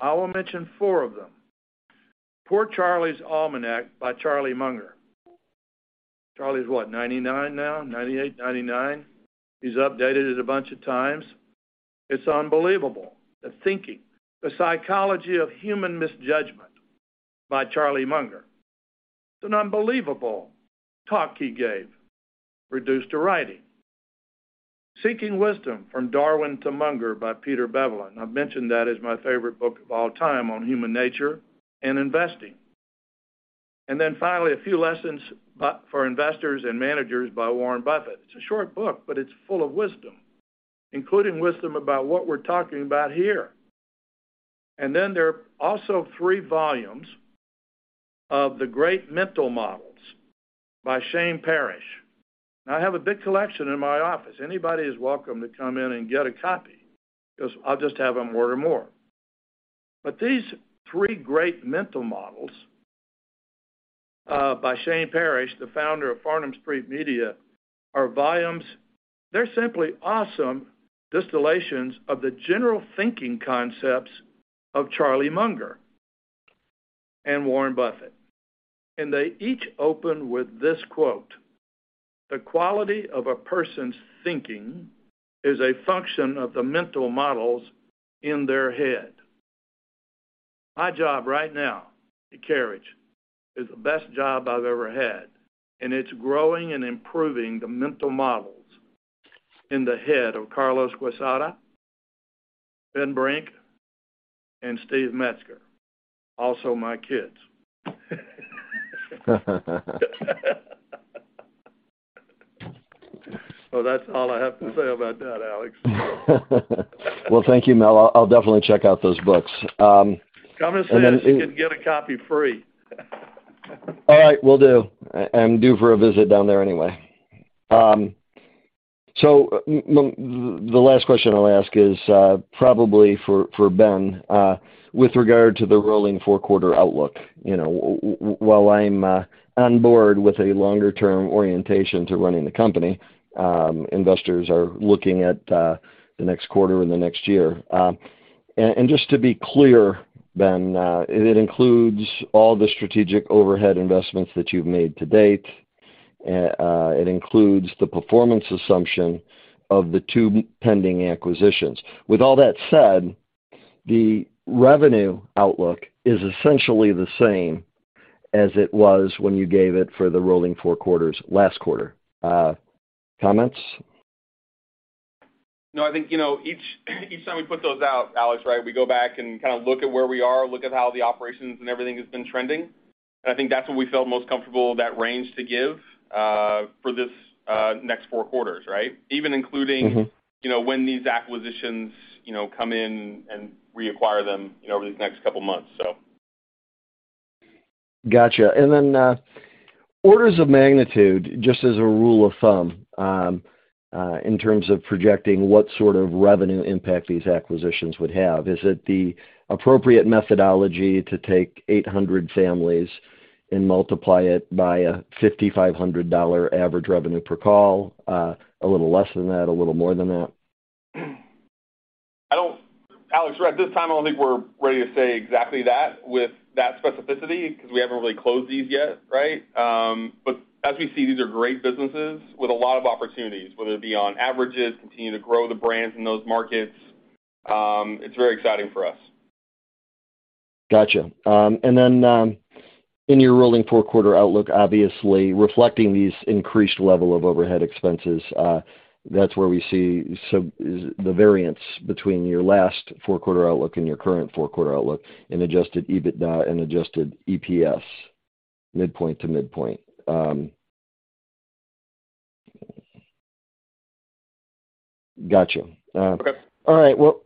[SPEAKER 3] I will mention four of them. Poor Charlie's Almanack by Charlie Munger. Charlie's what, 99 now? 98, 99. He's updated it a bunch of times. It's unbelievable, the thinking. The Psychology of Human Misjudgment by Charlie Munger. It's an unbelievable talk he gave, reduced to writing. Seeking Wisdom: From Darwin to Munger by Peter Bevelin. I've mentioned that as my favorite book of all time on human nature and investing. Finally, A Few Lessons for Investors and Managers by Warren Buffett. It's a short book, but it's full of wisdom, including wisdom about what we're talking about here. There are also three volumes of The Great Mental Models by Shane Parrish. I have a big collection in my office. Anybody is welcome to come in and get a copy, 'cause I'll just have them order more. These three great mental models by Shane Parrish, the founder of Farnam Street Media, are volumes. They're simply awesome distillations of the general thinking concepts of Charlie Munger and Warren Buffett. They each open with this quote: "The quality of a person's thinking is a function of the mental models in their head." My job right now at Carriage is the best job I've ever had, and it's growing and improving the mental models in the head of Carlos Quezada, Ben Brink, and Steve Metzger, also my kids.
[SPEAKER 4] Well, that's all I have to say about that, Alex.
[SPEAKER 6] Well, thank you, Mel. I'll definitely check out those books.
[SPEAKER 4] Come to Houston, you can get a copy free.
[SPEAKER 6] All right, will do. I'm due for a visit down there anyway. The last question I'll ask is probably for Ben with regard to the rolling four-quarter outlook. While I'm on board with a longer-term orientation to running the company, investors are looking at the next quarter and the next year. Just to be clear, Ben, it includes all the strategic overhead investments that you've made to date. It includes the performance assumption of the two pending acquisitions. With all that said, the revenue outlook is essentially the same as it was when you gave it for the rolling four quarters last quarter. Comments?
[SPEAKER 5] No, I think, you know, each time we put those out, Alex, right, we go back and kind of look at where we are, look at how the operations and everything has been trending. I think that's what we felt most comfortable that range to give for this next four quarters, right? Even including.
[SPEAKER 6] Mm-hmm
[SPEAKER 5] You know, when these acquisitions, you know, come in and we acquire them, you know, over these next couple of months, so.
[SPEAKER 6] Gotcha. Orders of magnitude, just as a rule of thumb, in terms of projecting what sort of revenue impact these acquisitions would have, is it the appropriate methodology to take 800 families and multiply it by a $5,500 average revenue per call, a little less than that, a little more than that?
[SPEAKER 5] Alex, right at this time, I don't think we're ready to say exactly that with that specificity because we haven't really closed these yet, right? As we see, these are great businesses with a lot of opportunities, whether it be on averages, continue to grow the brands in those markets. It's very exciting for us.
[SPEAKER 6] Got you. In your rolling four-quarter outlook, obviously reflecting these increased level of overhead expenses, that's where we see the variance between your last four-quarter outlook and your current four-quarter outlook in Adjusted EBITDA and adjusted EPS, midpoint to midpoint. Got you.
[SPEAKER 5] Okay.
[SPEAKER 6] All right. Well,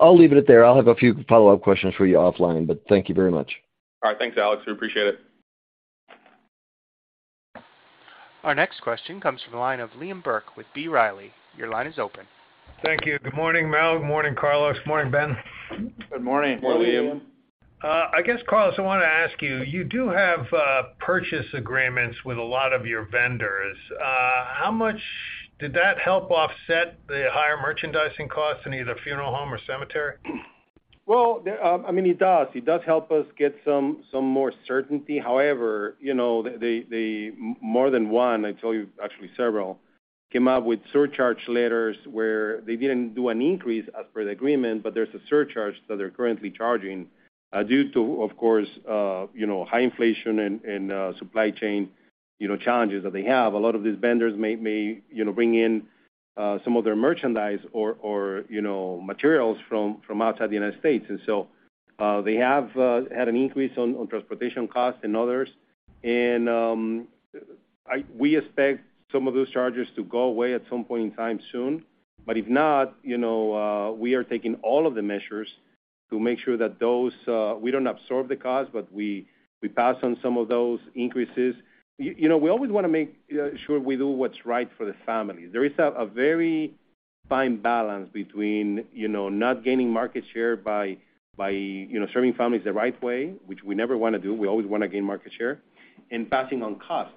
[SPEAKER 6] I'll leave it there. I'll have a few follow-up questions for you offline, but thank you very much.
[SPEAKER 5] All right. Thanks, Alex. We appreciate it.
[SPEAKER 1] Our next question comes from the line of Liam Burke with B. Riley. Your line is open.
[SPEAKER 7] Thank you. Good morning, Mel. Good morning, Carlos. Good morning, Ben.
[SPEAKER 4] Good morning.
[SPEAKER 5] Morning, Liam.
[SPEAKER 7] I guess, Carlos, I want to ask you do have purchase agreements with a lot of your vendors. How much did that help offset the higher merchandising costs in either funeral home or cemetery?
[SPEAKER 4] Well, I mean, it does. It does help us get some more certainty. However, you know, more than one, I tell you, actually several, came up with surcharge letters where they didn't do an increase as per the agreement, but there's a surcharge that they're currently charging, due to, of course, you know, high inflation and supply chain, you know, challenges that they have. A lot of these vendors may, you know, bring in some of their merchandise or, you know, materials from outside the United States. They have had an increase on transportation costs and others. We expect some of those charges to go away at some point in time soon. If not, you know, we are taking all of the measures to make sure that those, we don't absorb the cost, but we pass on some of those increases. You know, we always want to make sure we do what's right for the family. There is a very fine balance between, you know, not gaining market share by you know, serving families the right way, which we never want to do, we always want to gain market share, and passing on cost.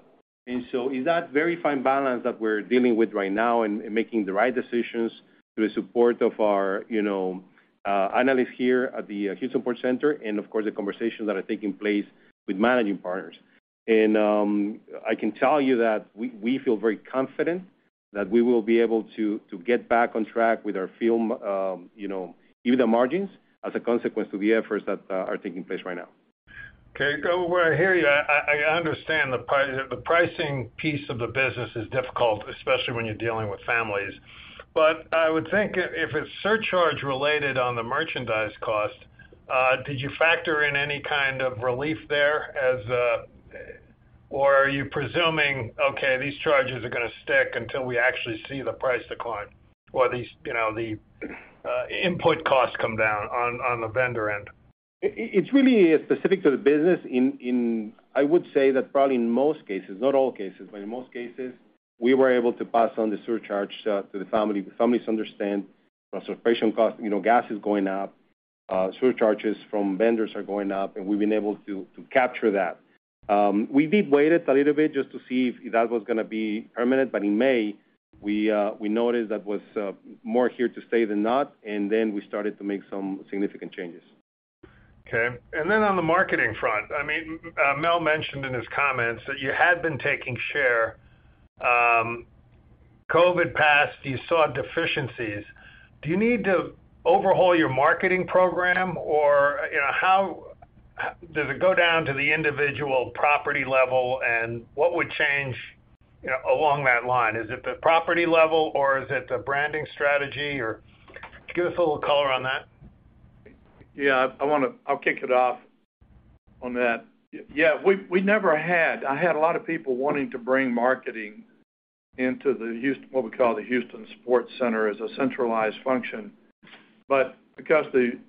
[SPEAKER 4] So it's that very fine balance that we're dealing with right now and making the right decisions through the support of our, you know, analysts here at the Houston Support Center and, of course, the conversations that are taking place with managing partners. I can tell you that we feel very confident that we will be able to get back on track with our field you know EBITDA margins as a consequence of the efforts that are taking place right now.
[SPEAKER 7] Okay. Well, I hear you. I understand the pricing piece of the business is difficult, especially when you're dealing with families. I would think if it's surcharge related on the merchandise cost, did you factor in any kind of relief there? Or are you presuming, okay, these charges are gonna stick until we actually see the price decline or these, you know, the input costs come down on the vendor end?
[SPEAKER 4] It's really specific to the business. I would say that probably in most cases, not all cases, but in most cases, we were able to pass on the surcharge to the family. The families understand transportation costs, you know, gas is going up, surcharges from vendors are going up, and we've been able to capture that. We did wait a little bit just to see if that was gonna be permanent, but in May, we noticed that was more here to stay than not, and then we started to make some significant changes.
[SPEAKER 7] Okay. On the marketing front, I mean, Mel mentioned in his comments that you had been taking share. COVID passed, you saw deficiencies. Do you need to overhaul your marketing program? Or, you know, does it go down to the individual property level, and what would change, you know, along that line? Is it the property level or is it the branding strategy or? Give us a little color on that.
[SPEAKER 3] Yeah, I wanna I'll kick it off on that. Yeah, we never had. I had a lot of people wanting to bring marketing into the Houston Support Center as a centralized function. But because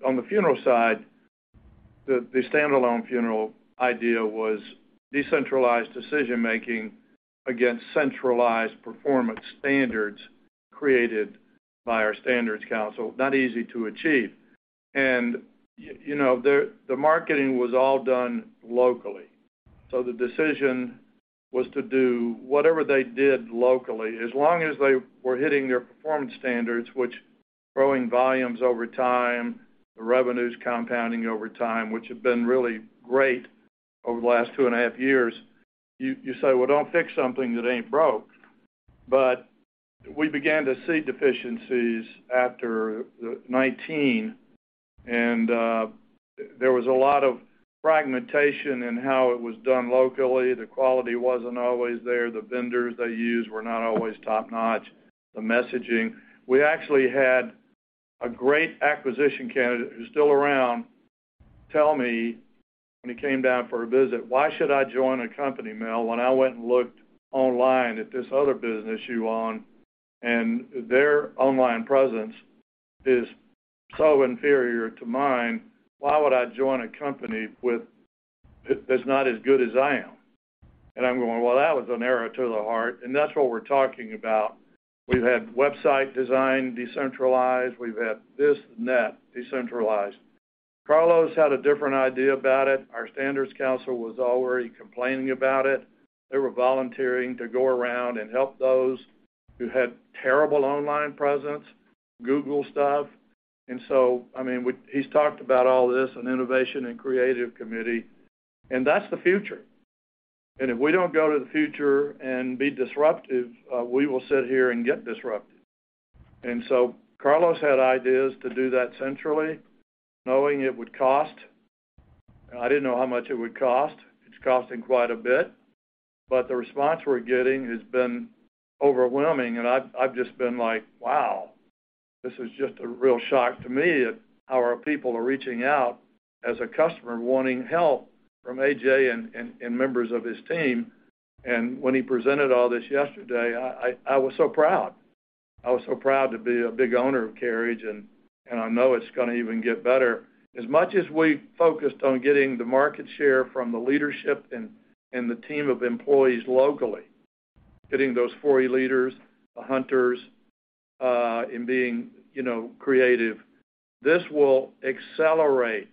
[SPEAKER 3] on the funeral side, the standalone funeral idea was decentralized decision-making against centralized performance standards created by our Standards Council, not easy to achieve. You know, the marketing was all done locally. The decision was to do whatever they did locally, as long as they were hitting their performance standards, which growing volumes over time, the revenues compounding over time, which have been really great over the last 2.5 years. You say, "Well, don't fix something that ain't broke." We began to see deficiencies after the 19, and there was a lot of fragmentation in how it was done locally. The quality wasn't always there. The vendors they used were not always top-notch, the messaging. We actually had a great acquisition candidate, who's still around, tell me when he came down for a visit, "Why should I join a company, Mel, when I went and looked online at this other business you own, and their online presence is so inferior to mine? Why would I join a company that's not as good as I am?" I'm going, "Well, that was an arrow to the heart," and that's what we're talking about. We've had website design decentralized. We've had this and that decentralized. Carlos had a different idea about it. Our Standards Council was already complaining about it. They were volunteering to go around and help those who had terrible online presence, Google stuff. I mean, he's talked about all this in innovation and creative committee, and that's the future. If we don't go to the future and be disruptive, we will sit here and get disrupted. Carlos had ideas to do that centrally, knowing it would cost. I didn't know how much it would cost. It's costing quite a bit, but the response we're getting has been overwhelming, and I've just been like, "Wow, this is just a real shock to me at how our people are reaching out as a customer wanting help from AJ and members of his team." When he presented all this yesterday, I was so proud. I was so proud to be a big owner of Carriage, and I know it's gonna even get better. As much as we focused on getting the market share from the leadership and the team of employees locally, getting those 40 leaders, the hunters, in being, you know, creative, this will accelerate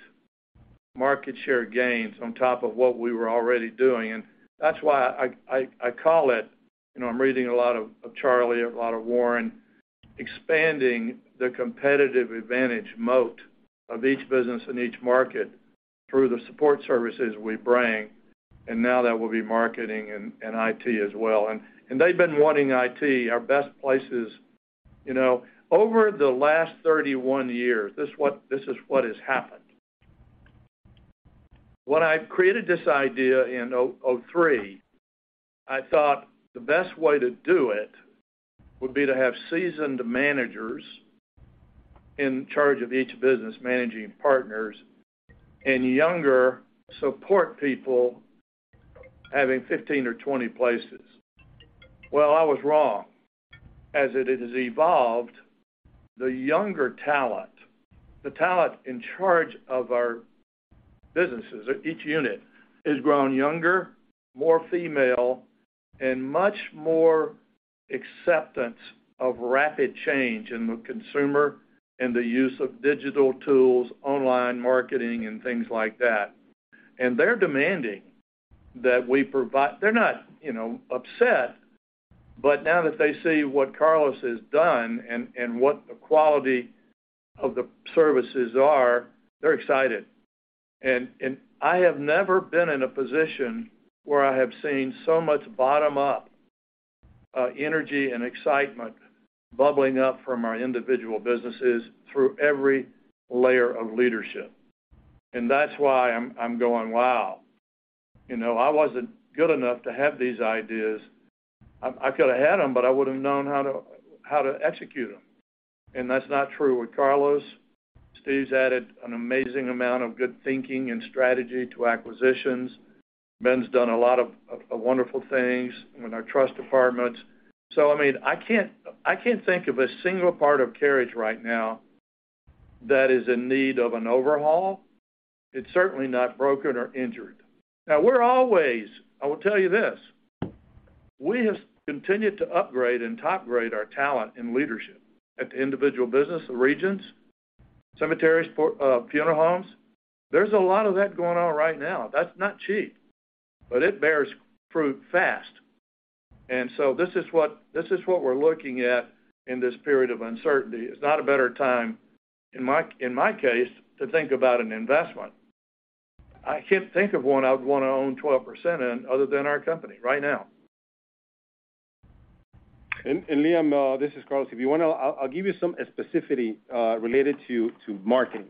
[SPEAKER 3] market share gains on top of what we were already doing. That's why I call it, you know, I'm reading a lot of Charlie, a lot of Warren, expanding the competitive advantage moat of each business in each market through the support services we bring, and now that will be marketing and IT as well. They've been wanting IT, our best places. You know, over the last 31 years, this is what has happened. When I created this idea in 2003, I thought the best way to do it would be to have seasoned managers in charge of each business managing partners and younger support people having 15 or 20 places. Well, I was wrong. As it has evolved, the younger talent, the talent in charge of our businesses, each unit, has grown younger, more female, and much more acceptance of rapid change in the consumer and the use of digital tools, online marketing, and things like that. They're demanding that we provide. They're not, you know, upset, but now that they see what Carlos has done and what the quality of the services are, they're excited. I have never been in a position where I have seen so much bottom-up energy and excitement bubbling up from our individual businesses through every layer of leadership. That's why I'm going, "Wow." You know, I wasn't good enough to have these ideas. I could have had them, but I wouldn't have known how to execute them. That's not true with Carlos. Steve's added an amazing amount of good thinking and strategy to acquisitions. Ben's done a lot of wonderful things in our trust departments. I mean, I can't think of a single part of Carriage right now that is in need of an overhaul. It's certainly not broken or injured. We're always. I will tell you this. We have continued to upgrade and topgrade our talent and leadership at the individual business regions, cemeteries, for funeral homes. There's a lot of that going on right now. That's not cheap, but it bears fruit fast. This is what we're looking at in this period of uncertainty. It's not a better time, in my case, to think about an investment. I can't think of one I'd wanna own 12% in other than our company right now.
[SPEAKER 4] Liam, this is Carlos. If you want to, I'll give you some specificity related to marketing.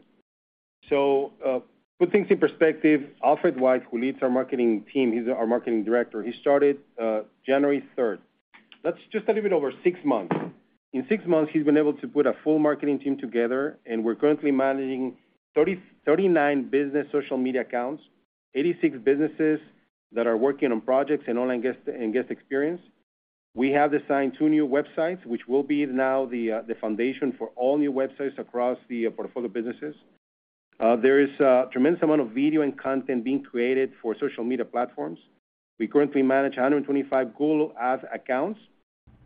[SPEAKER 4] Put things in perspective. Alfred White, who leads our marketing team, he's our marketing director. He started January third. That's just a little bit over six months. In six months, he's been able to put a full marketing team together, and we're currently managing 39 business social media accounts, 86 businesses that are working on projects in online guest experience. We have assigned two new websites, which will be now the foundation for all new websites across the portfolio businesses. There is a tremendous amount of video and content being created for social media platforms. We currently manage 125 Google Ads accounts,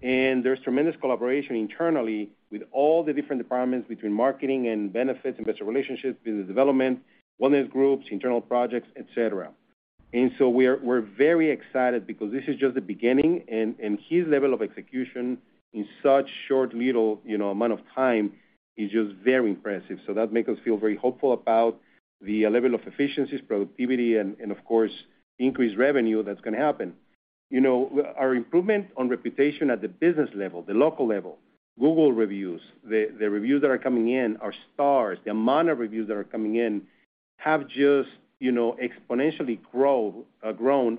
[SPEAKER 4] and there's tremendous collaboration internally with all the different departments, between marketing and benefits, investor relationships, business development, wellness groups, internal projects, et cetera. We're very excited because this is just the beginning, and his level of execution in such short, little, you know, amount of time is just very impressive. That make us feel very hopeful about the level of efficiencies, productivity, and, of course, increased revenue that's gonna happen. You know, our improvement on reputation at the business level, the local level, Google reviews, the reviews that are coming in are stars. The amount of reviews that are coming in have just, you know, exponentially grown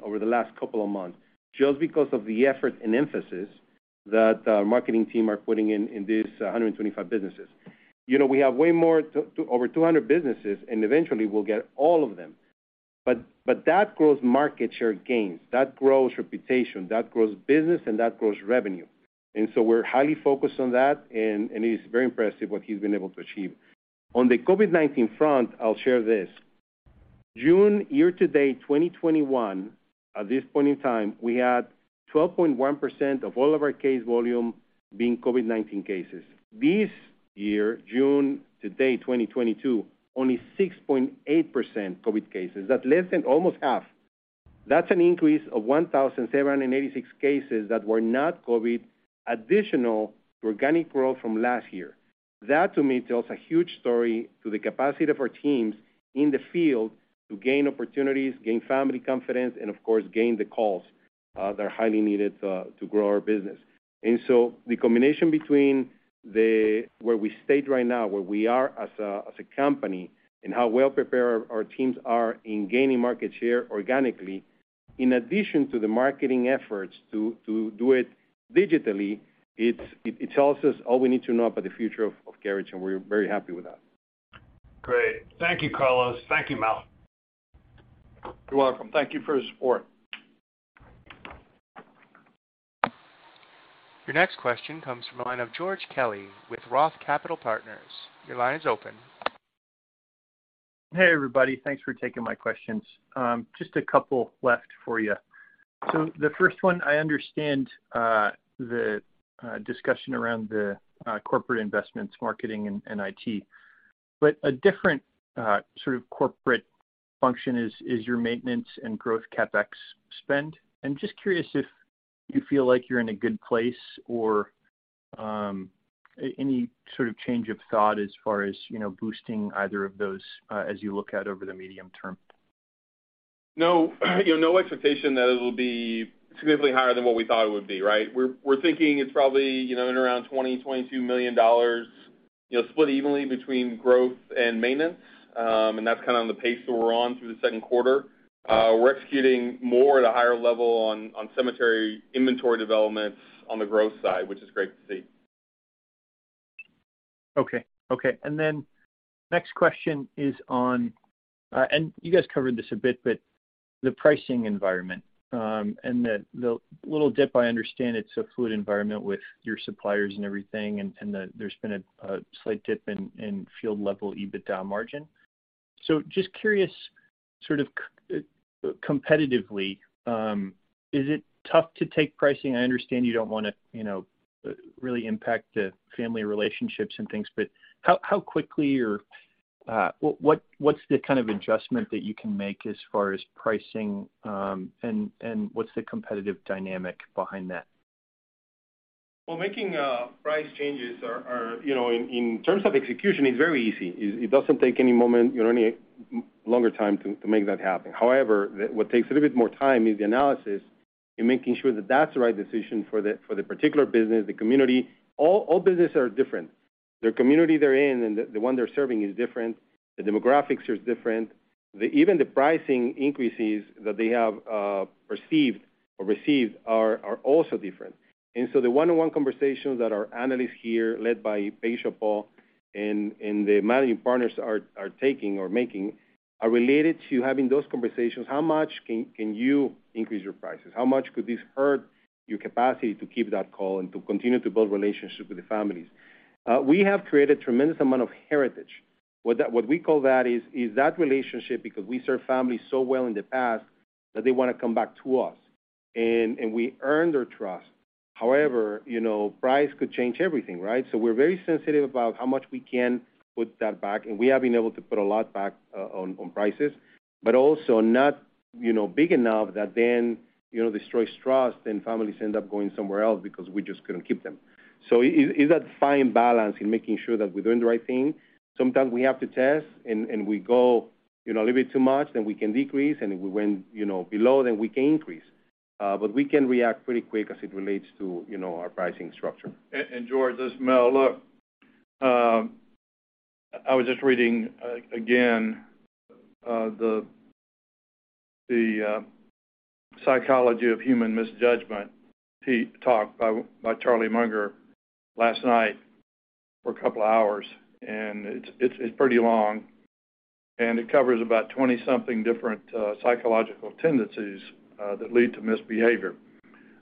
[SPEAKER 4] over the last couple of months just because of the effort and emphasis that our marketing team are putting in these 125 businesses. You know, we have way more, over 200 businesses, and eventually we'll get all of them. That grows market share gains, that grows reputation, that grows business, and that grows revenue. We're highly focused on that and it is very impressive what he's been able to achieve. On the COVID-19 front, I'll share this. June year-to-date, 2021, at this point in time, we had 12.1% of all of our case volume being COVID-19 cases. This year, June to date, 2022, only 6.8% COVID cases. That's less than almost half. That's an increase of 1,786 cases that were not COVID, additional to organic growth from last year. That to me tells a huge story to the capacity of our teams in the field to gain opportunities, gain family confidence, and of course, gain the calls that are highly needed to grow our business. The combination between where we stand right now, where we are as a company, and how well prepared our teams are in gaining market share organically, in addition to the marketing efforts to do it digitally, it tells us all we need to know about the future of Carriage, and we're very happy with that.
[SPEAKER 7] Great. Thank you, Carlos. Thank you, Mel.
[SPEAKER 5] You're welcome. Thank you for your support.
[SPEAKER 1] Your next question comes from the line of George Kelly with Roth Capital Partners. Your line is open.
[SPEAKER 8] Hey, everybody. Thanks for taking my questions. Just a couple left for you. The first one, I understand, the discussion around the corporate investments, marketing and IT. A different sort of corporate function is your maintenance and growth CapEx spend. I'm just curious if you feel like you're in a good place or any sort of change of thought as far as, you know, boosting either of those, as you look out over the medium term.
[SPEAKER 5] No, you know, no expectation that it'll be significantly higher than what we thought it would be, right? We're thinking it's probably, you know, in around $20-$22 million, you know, split evenly between growth and maintenance. That's kind of the pace that we're on through the second quarter. We're executing more at a higher level on cemetery inventory developments on the growth side, which is great to see.
[SPEAKER 8] You guys covered this a bit, but the pricing environment, and the little dip, I understand it's a fluid environment with your suppliers and everything, and there's been a slight dip in field level EBITDA margin. Just curious, competitively, is it tough to take pricing? I understand you don't wanna, you know, really impact the family relationships and things, but how quickly or what's the kind of adjustment that you can make as far as pricing, and what's the competitive dynamic behind that?
[SPEAKER 4] Well, making price changes are, you know, in terms of execution is very easy. It doesn't take any moment, you know, any longer time to make that happen. However, what takes a little bit more time is the analysis in making sure that that's the right decision for the particular business, the community. All business are different. The community they're in and the one they're serving is different, the demographics is different. Even the pricing increases that they have perceived or received are also different. The one-on-one conversations that our analysts here, led by Pasha Paul and the managing partners are taking or making, are related to having those conversations, how much can you increase your prices? How much could this hurt your capacity to keep that call and to continue to build relationships with the families? We have created tremendous amount of heritage. What we call that is that relationship because we served families so well in the past that they wanna come back to us, and we earned their trust. However, you know, price could change everything, right? We're very sensitive about how much we can put that back, and we have been able to put a lot back on prices. But also not, you know, big enough that then, you know, destroys trust and families end up going somewhere else because we just couldn't keep them. It's that fine balance in making sure that we're doing the right thing. Sometimes we have to test and we go, you know, a little bit too much, then we can decrease, and if we went, you know, below, then we can increase. We can react pretty quick as it relates to, you know, our pricing structure.
[SPEAKER 3] George, this is Mel. Look, I was just reading again, the The Psychology of Human Misjudgment talk by Charlie Munger last night for a couple of hours, and it's pretty long, and it covers about 20-something different psychological tendencies that lead to misbehavior.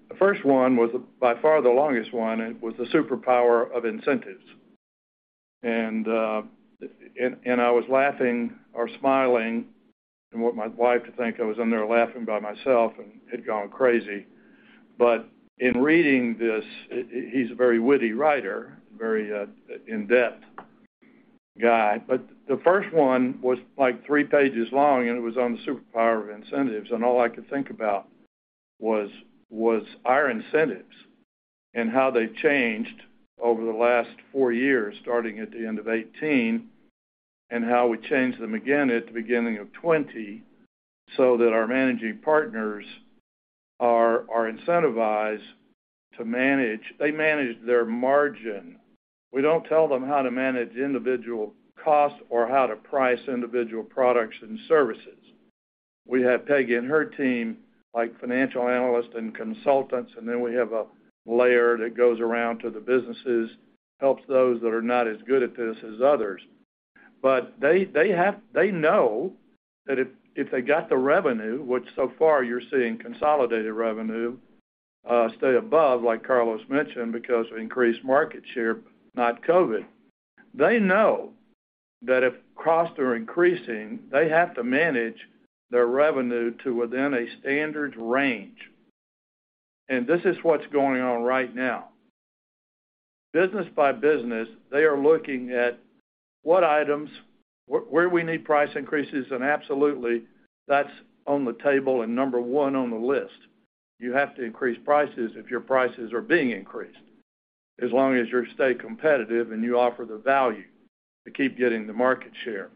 [SPEAKER 3] The first one was by far the longest one, and it was the superpower of incentives. I was laughing or smiling and want my wife to think I was in there laughing by myself and had gone crazy. In reading this, he's a very witty writer, very in-depth guy. The first one was, like, three pages long, and it was on the superpower of incentives. All I could think about was our incentives and how they changed over the last four years, starting at the end of 2018, and how we changed them again at the beginning of 2020, so that our managing partners are incentivized to manage. They manage their margin. We don't tell them how to manage individual costs or how to price individual products and services. We have Peggy and her team, like financial analysts and consultants, and then we have a layer that goes around to the businesses, helps those that are not as good at this as others. They know that if they got the revenue, which so far you're seeing consolidated revenue stay above, like Carlos mentioned, because of increased market share, not COVID. They know that if costs are increasing, they have to manage their revenue to within a standard range. This is what's going on right now. Business by business, they are looking at what items, where we need price increases, and absolutely that's on the table and number one on the list. You have to increase prices if your prices are being increased, as long as you stay competitive and you offer the value to keep getting the market share.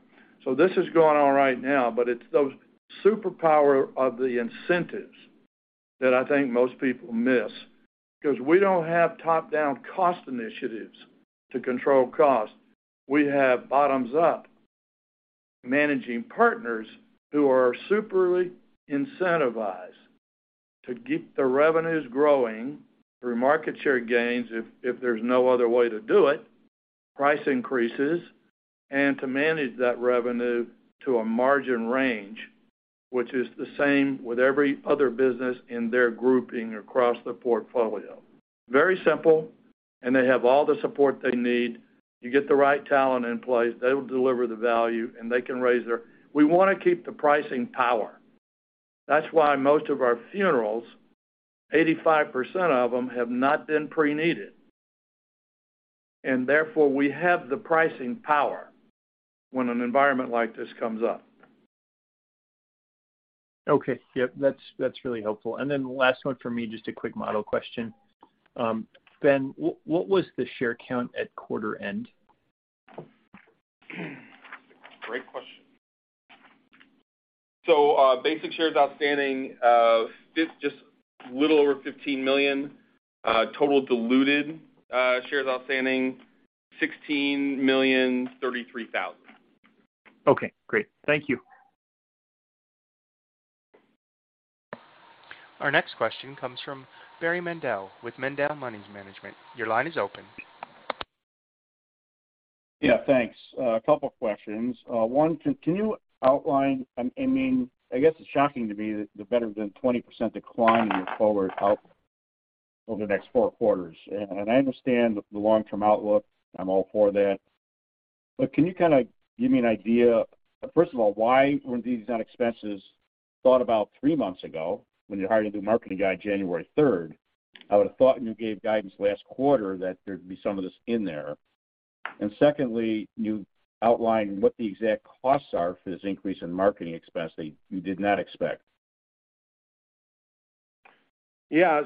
[SPEAKER 3] This is going on right now, but it's those superpower of the incentives that I think most people miss. 'Cause we don't have top-down cost initiatives to control costs. We have bottoms-up managing partners who are super incentivized to keep the revenues growing through market share gains if there's no other way to do it, price increases, and to manage that revenue to a margin range, which is the same with every other business in their grouping across the portfolio. Very simple. They have all the support they need. You get the right talent in place, they will deliver the value. We wanna keep the pricing power. That's why most of our funerals, 85% of them, have not been preneed. Therefore, we have the pricing power when an environment like this comes up.
[SPEAKER 8] Okay. Yep, that's really helpful. Last one for me, just a quick model question. Ben, what was the share count at quarter end?
[SPEAKER 5] Great question. Basic shares outstanding, just little over 15 million. Total diluted shares outstanding, 16,033,000.
[SPEAKER 8] Okay, great. Thank you.
[SPEAKER 1] Our next question comes from Barry Mendel with Mendel Money Management. Your line is open.
[SPEAKER 9] Yeah, thanks. A couple questions. One, can you outline I mean, I guess it's shocking to me the better than 20% decline in your forward outlook over the next four quarters. And I understand the long-term outlook. I'm all for that. But can you kinda give me an idea, first of all, why weren't these expenses thought about three months ago when you hired a new marketing guy January third? I would have thought when you gave guidance last quarter that there'd be some of this in there. And secondly, can you outline what the exact costs are for this increase in marketing expense that you did not expect?
[SPEAKER 4] Yeah.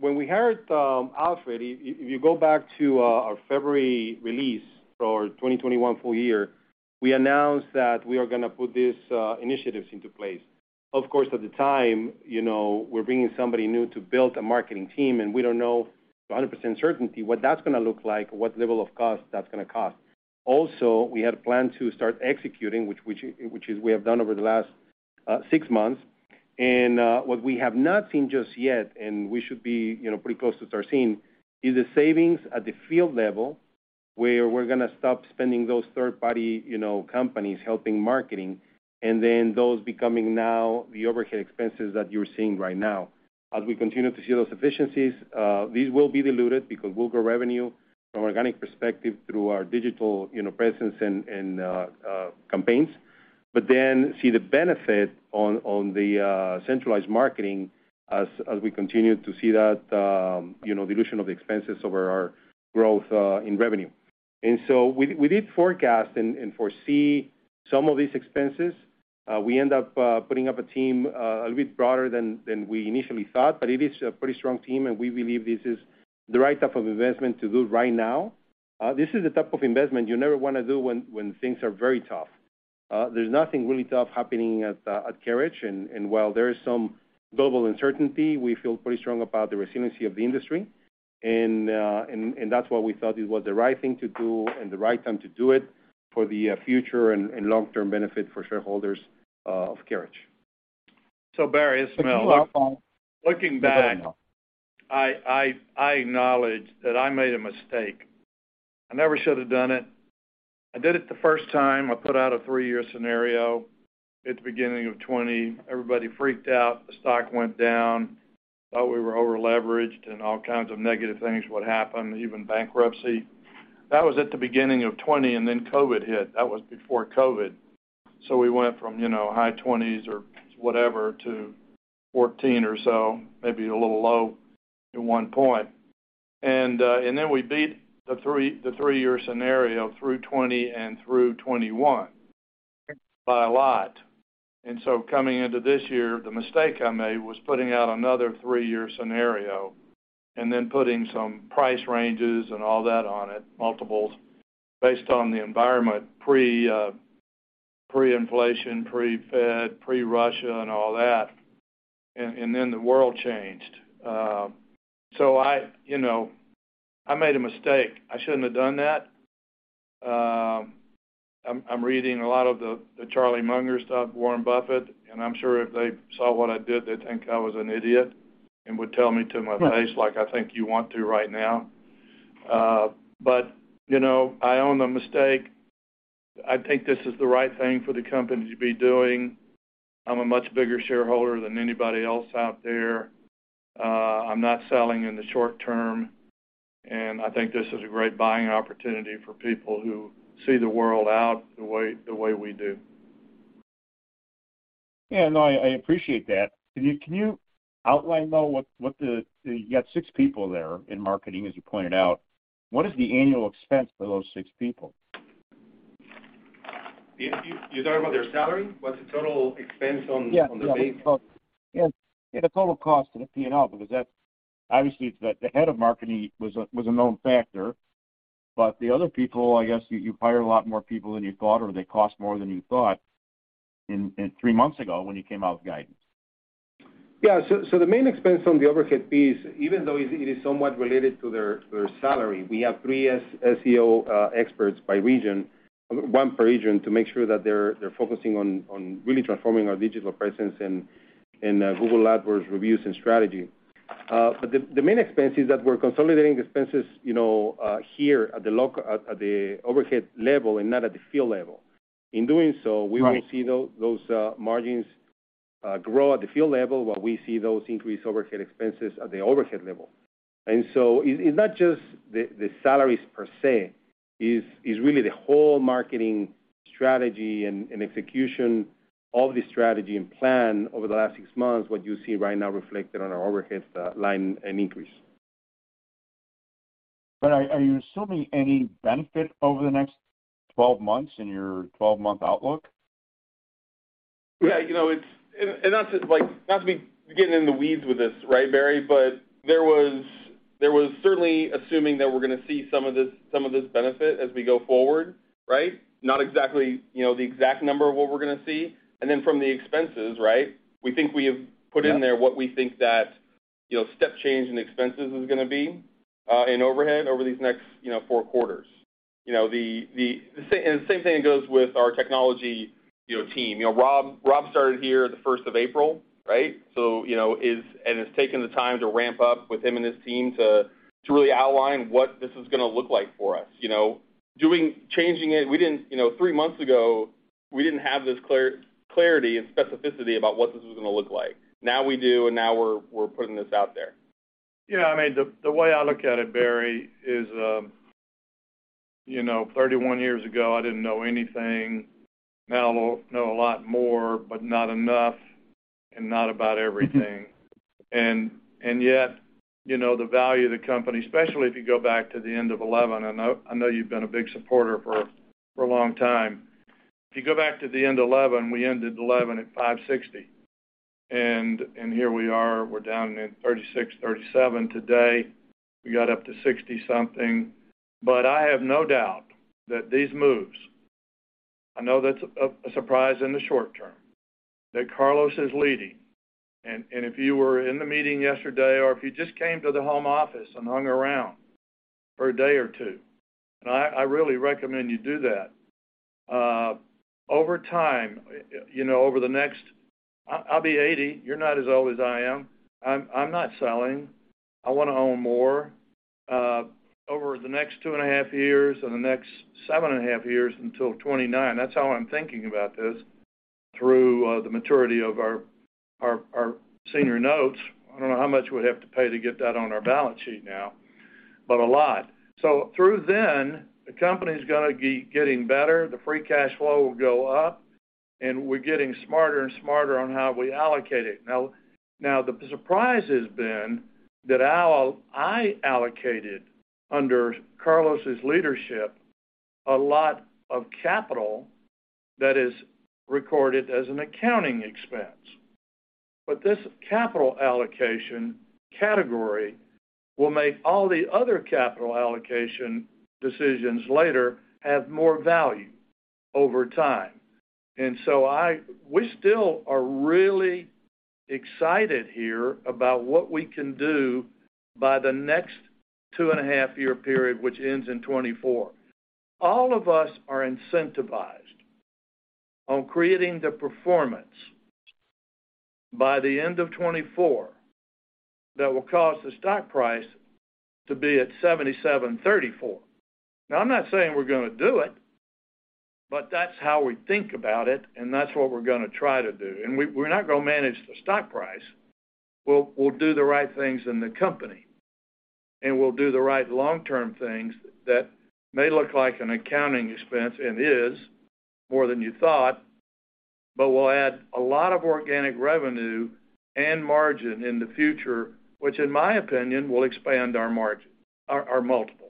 [SPEAKER 4] When we hired Alfred, if you go back to our February release for our 2021 full year, we announced that we are gonna put these initiatives into place. Of course, at the time, you know, we're bringing somebody new to build a marketing team, and we don't know 100% certainty what that's gonna look like, what level of cost that's gonna cost. Also, we had a plan to start executing, which is we have done over the last six months. What we have not seen just yet, and we should be, you know, pretty close to start seeing, is the savings at the field level, where we're gonna stop spending those third-party, you know, companies helping marketing, and then those becoming now the overhead expenses that you're seeing right now. As we continue to see those efficiencies, these will be diluted because we'll grow revenue from organic perspective through our digital, you know, presence and campaigns, but then see the benefit on the centralized marketing as we continue to see that, you know, dilution of the expenses over our growth in revenue. We did forecast and foresee some of these expenses. We end up putting up a team a little bit broader than we initially thought, but it is a pretty strong team, and we believe this is the right type of investment to do right now. This is the type of investment you never wanna do when things are very tough. There's nothing really tough happening at Carriage, and while there is some global uncertainty, we feel pretty strong about the resiliency of the industry. That's why we thought it was the right thing to do and the right time to do it. For the future and long-term benefit for shareholders of Carriage.
[SPEAKER 3] Barry, it's Mel. Looking back, I acknowledge that I made a mistake. I never should have done it. I did it the first time. I put out a three-year scenario at the beginning of 2020. Everybody freaked out, the stock went down, thought we were over-leveraged, and all kinds of negative things would happen, even bankruptcy. That was at the beginning of 2020, and then COVID hit. That was before COVID. We went from, you know, high 20s or whatever to 14 or so, maybe a little low at one point. We beat the three-year scenario through 2020 and through 2021 by a lot. Coming into this year, the mistake I made was putting out another three-year scenario and then putting some price ranges and all that on it, multiples based on the environment, pre-inflation, pre-Fed, pre-Russia and all that. Then the world changed. So you know, I made a mistake. I shouldn't have done that. I'm reading a lot of the Charlie Munger stuff, Warren Buffett, and I'm sure if they saw what I did, they'd think I was an idiot and would tell me to my face like I think you want to right now. But you know, I own the mistake. I think this is the right thing for the company to be doing. I'm a much bigger shareholder than anybody else out there. I'm not selling in the short term, and I think this is a great buying opportunity for people who see the world the way we do.
[SPEAKER 9] Yeah. No, I appreciate that. Can you outline, though, what the. You got six people there in marketing, as you pointed out. What is the annual expense for those six people?
[SPEAKER 4] You talking about their salary? What's the total expense on-
[SPEAKER 9] Yeah.
[SPEAKER 4] On the base?
[SPEAKER 9] Yeah. Yeah, the total cost in the P&L because that's obviously, it's the head of marketing was a known factor. The other people, I guess you hired a lot more people than you thought or they cost more than you thought in three months ago when you came out with guidance.
[SPEAKER 4] Yeah. The main expense on the overhead piece, even though it is somewhat related to their salary, we have three SEO experts by region, one per region, to make sure that they're focusing on really transforming our digital presence and Google Ads reviews and strategy. But the main expense is that we're consolidating expenses, you know, here at the overhead level and not at the field level. In doing so-
[SPEAKER 9] Right.
[SPEAKER 4] We will see those margins grow at the field level while we see those increased overhead expenses at the overhead level. It's not just the salaries per se, it's really the whole marketing strategy and execution of the strategy and plan over the last six months, what you see right now reflected on our overheads line and increase.
[SPEAKER 9] Are you assuming any benefit over the next 12 months in your 12-month outlook?
[SPEAKER 4] Yeah. You know, it's not to, like, not to be getting in the weeds with this, right, Barry, but there was certainly assuming that we're gonna see some of this benefit as we go forward, right? Not exactly, you know, the exact number of what we're gonna see. Then from the expenses, right, we think we have put in there.
[SPEAKER 9] Yeah.
[SPEAKER 4] What we think that, you know, step change in expenses is gonna be in overhead over these next, you know, four quarters. You know, the same thing goes with our technology, you know, team. You know, Rob started here the first of April, right? So, you know, and has taken the time to ramp up with him and his team to really outline what this is gonna look like for us, you know. Changing it, we didn't. You know, three months ago, we didn't have this clarity and specificity about what this was gonna look like. Now we do, and now we're putting this out there.
[SPEAKER 3] Yeah. I mean, the way I look at it, Barry, is, you know, 31 years ago, I didn't know anything. Now I know a lot more, but not enough and not about everything. Yet, you know, the value of the company, especially if you go back to the end of 2011, I know you've been a big supporter for a long time. If you go back to the end of 2011, we ended 2011 at $5.60. Here we are, we're down in $36-$37 today. We got up to $60-something. But I have no doubt that these moves, I know that's a surprise in the short term, that Carlos is leading. If you were in the meeting yesterday or if you just came to the home office and hung around for a day or two, I really recommend you do that. Over time, you know, over the next I'll be 80. You're not as old as I am. I'm not selling. I wanna own more. Over the next two and a half years or the next seven and a half years until 2029, that's how I'm thinking about this, through the maturity of our senior notes. I don't know how much we'd have to pay to get that on our balance sheet now, but a lot. Through then, the company's gonna keep getting better, the free cash flow will go up, and we're getting smarter and smarter on how we allocate it. Now the surprise has been that I allocated under Carlos' leadership a lot of capital that is recorded as an accounting expense. This capital allocation category will make all the other capital allocation decisions later have more value over time. We still are really excited here about what we can do by the next 2.5-year period, which ends in 2024. All of us are incentivized on creating the performance by the end of 2024 that will cause the stock price to be at $77.34. Now, I'm not saying we're gonna do it, but that's how we think about it, and that's what we're gonna try to do. We're not gonna manage the stock price. We'll do the right things in the company, and we'll do the right long-term things that may look like an accounting expense, and is more than you thought, but will add a lot of organic revenue and margin in the future, which in my opinion, will expand our margin, our multiples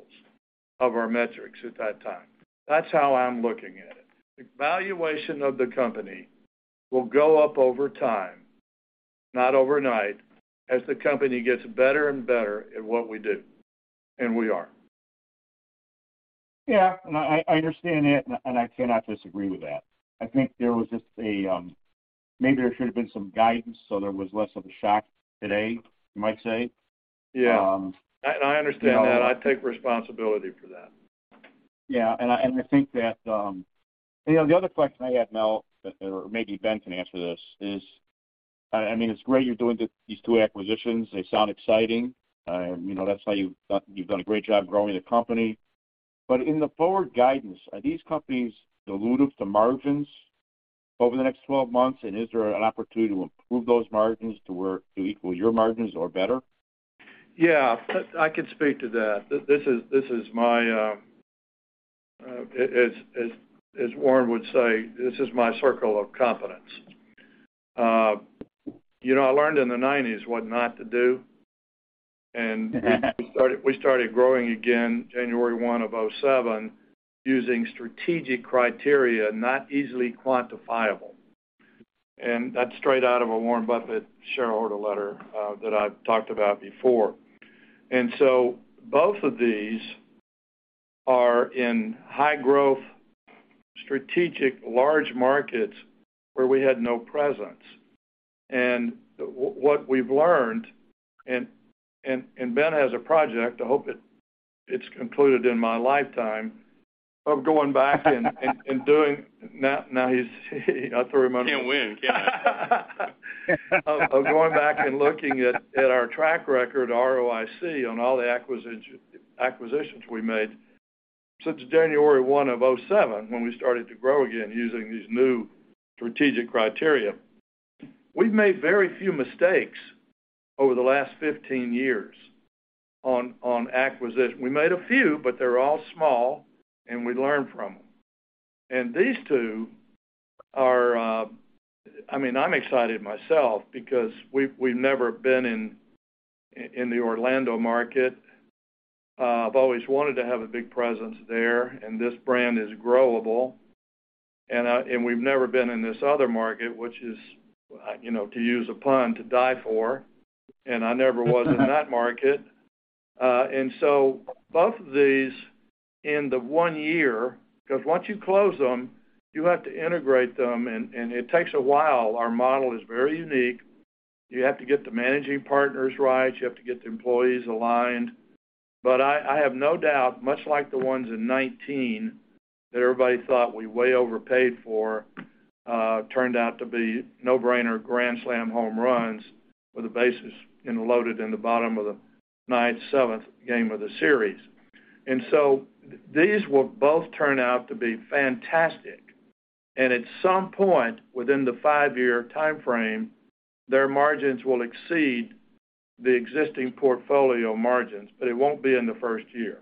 [SPEAKER 3] of our metrics at that time. That's how I'm looking at it. Valuation of the company will go up over time, not overnight, as the company gets better and better at what we do, and we are.
[SPEAKER 9] Yeah. No, I understand that, and I cannot disagree with that. I think maybe there should have been some guidance, so there was less of a shock today, you might say.
[SPEAKER 3] Yeah. I understand that. I take responsibility for that.
[SPEAKER 9] Yeah. I think that you know, the other question I had, Mel, but maybe Ben can answer this, is, I mean, it's great you're doing these two acquisitions. They sound exciting. You know, that's how you've done a great job growing the company. In the forward guidance, are these companies dilutive to margins over the next twelve months? And is there an opportunity to improve those margins to equal your margins or better?
[SPEAKER 3] Yeah. I can speak to that. This is my circle of competence. As Warren would say, "This is my circle of competence." You know, I learned in the nineties what not to do. We started growing again January 1 of 2007 using strategic criteria not easily quantifiable. That's straight out of a Warren Buffett shareholder letter that I've talked about before. Both of these are in high growth, strategic, large markets where we had no presence. What we've learned, and Ben has a project, I hope it's concluded in my lifetime, of going back and doing. Now he's I threw him under.
[SPEAKER 9] Can't win, can I?
[SPEAKER 3] Going back and looking at our track record, ROIC, on all the acquisitions we made since January 1, 2007, when we started to grow again using these new strategic criteria. We've made very few mistakes over the last 15 years on acquisition. We made a few, but they're all small, and we learn from them. These two are, I mean, I'm excited myself because we've never been in the Orlando market. I've always wanted to have a big presence there, and this brand is growable. We've never been in this other market, which is, you know, to use a pun, to die for, and I never was in that market. Both of these in the one year, because once you close them, you have to integrate them, and it takes a while. Our model is very unique. You have to get the managing partners right. You have to get the employees aligned. I have no doubt, much like the ones in 2019 that everybody thought we way overpaid for, turned out to be no-brainer grand slam home runs with the bases loaded in the bottom of the ninth, seventh game of the series. These will both turn out to be fantastic. At some point within the five-year timeframe, their margins will exceed the existing portfolio margins, but it won't be in the first year.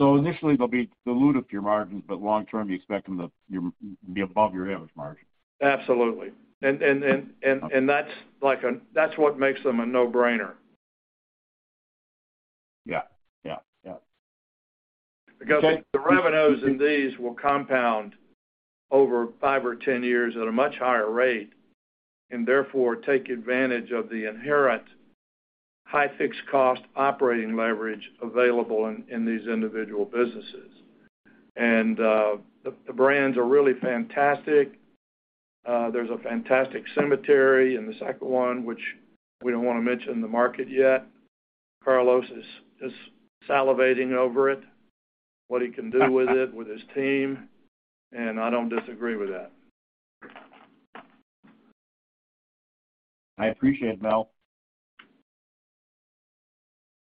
[SPEAKER 9] Initially they'll be dilutive to your margins, but long term, you expect them to be above your average margin.
[SPEAKER 3] Absolutely. That's what makes them a no-brainer.
[SPEAKER 9] Yeah. Yeah. Yeah.
[SPEAKER 3] Because the revenues in these will compound over five or 10 years at a much higher rate, and therefore take advantage of the inherent high fixed cost operating leverage available in these individual businesses. The brands are really fantastic. There's a fantastic cemetery in the second one, which we don't wanna mention the market yet. Carlos is salivating over it, what he can do with it, with his team, and I don't disagree with that.
[SPEAKER 9] I appreciate it, Mel.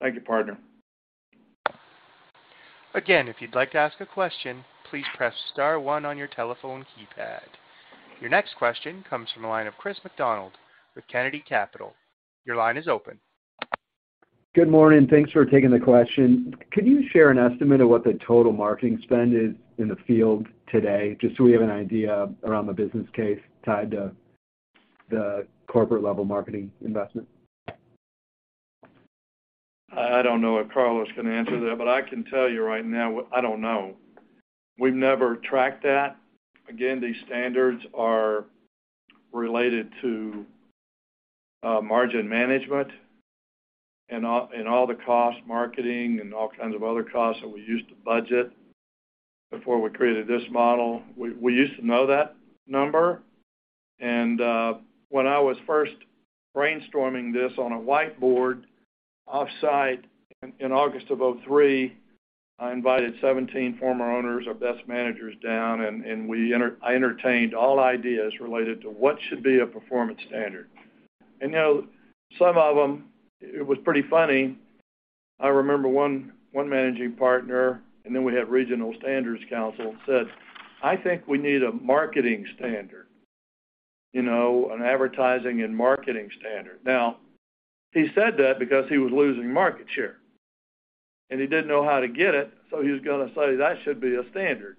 [SPEAKER 3] Thank you, partner.
[SPEAKER 1] Again, if you'd like to ask a question, please press star one on your telephone keypad. Your next question comes from the line of Chris McDonald with Kennedy Capital Management. Your line is open.
[SPEAKER 10] Good morning. Thanks for taking the question. Could you share an estimate of what the total marketing spend is in the field today, just so we have an idea around the business case tied to the corporate level marketing investment?
[SPEAKER 3] I don't know if Carlos can answer that, but I can tell you right now, I don't know. We've never tracked that. Again, these standards are related to margin management and all, and all the costs, marketing and all kinds of other costs that we used to budget before we created this model, we used to know that number. When I was first brainstorming this on a whiteboard offsite in August of 2003, I invited 17 former owners, our best managers down, and I entertained all ideas related to what should be a performance standard. You know, some of them, it was pretty funny. I remember one managing partner, and then we had regional Standards Council, said, "I think we need a marketing standard, you know, an advertising and marketing standard." Now, he said that because he was losing market share, and he didn't know how to get it, so he was gonna say, "That should be a standard."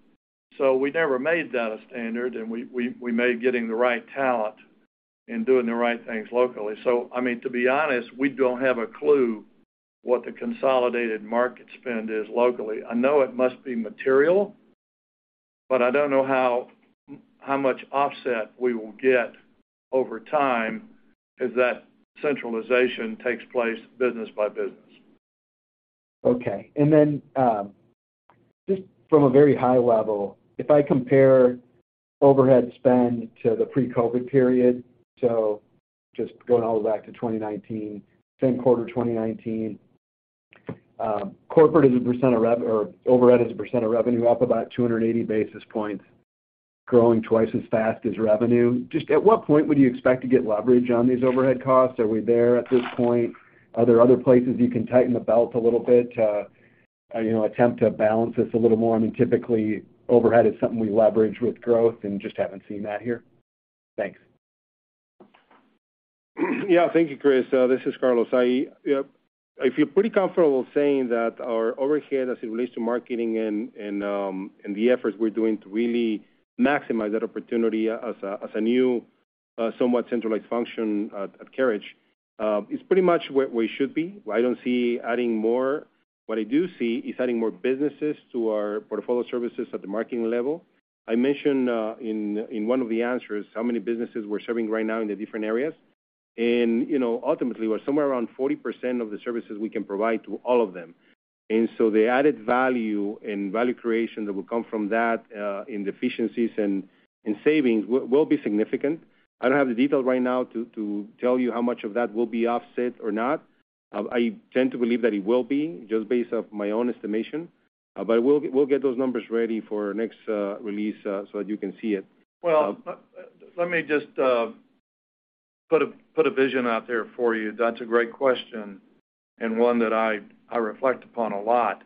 [SPEAKER 3] We never made that a standard, and we made getting the right talent and doing the right things locally. I mean, to be honest, we don't have a clue what the consolidated market spend is locally. I know it must be material, but I don't know how much offset we will get over time as that centralization takes place business by business.
[SPEAKER 10] Okay. Just from a very high level, if I compare overhead spend to the pre-COVID period, so just going all the way back to 2019, same quarter 2019, corporate as a percent of rev or overhead as a percent of revenue up about 280 basis points, growing twice as fast as revenue. Just at what point would you expect to get leverage on these overhead costs? Are we there at this point? Are there other places you can tighten the belt a little bit to, you know, attempt to balance this a little more? I mean, typically, overhead is something we leverage with growth and just haven't seen that here. Thanks.
[SPEAKER 4] Yeah. Thank you, Chris. This is Carlos. I feel pretty comfortable saying that our overhead as it relates to marketing and the efforts we're doing to really maximize that opportunity as a new somewhat centralized function at Carriage is pretty much where we should be. I don't see adding more. What I do see is adding more businesses to our portfolio services at the marketing level. I mentioned in one of the answers how many businesses we're serving right now in the different areas. You know, ultimately, we're somewhere around 40% of the services we can provide to all of them. The added value and value creation that will come from that in inefficiencies and savings will be significant. I don't have the details right now to tell you how much of that will be offset or not. I tend to believe that it will be just based off my own estimation. We'll get those numbers ready for next release, so that you can see it.
[SPEAKER 3] Well, let me just put a vision out there for you. That's a great question, and one that I reflect upon a lot,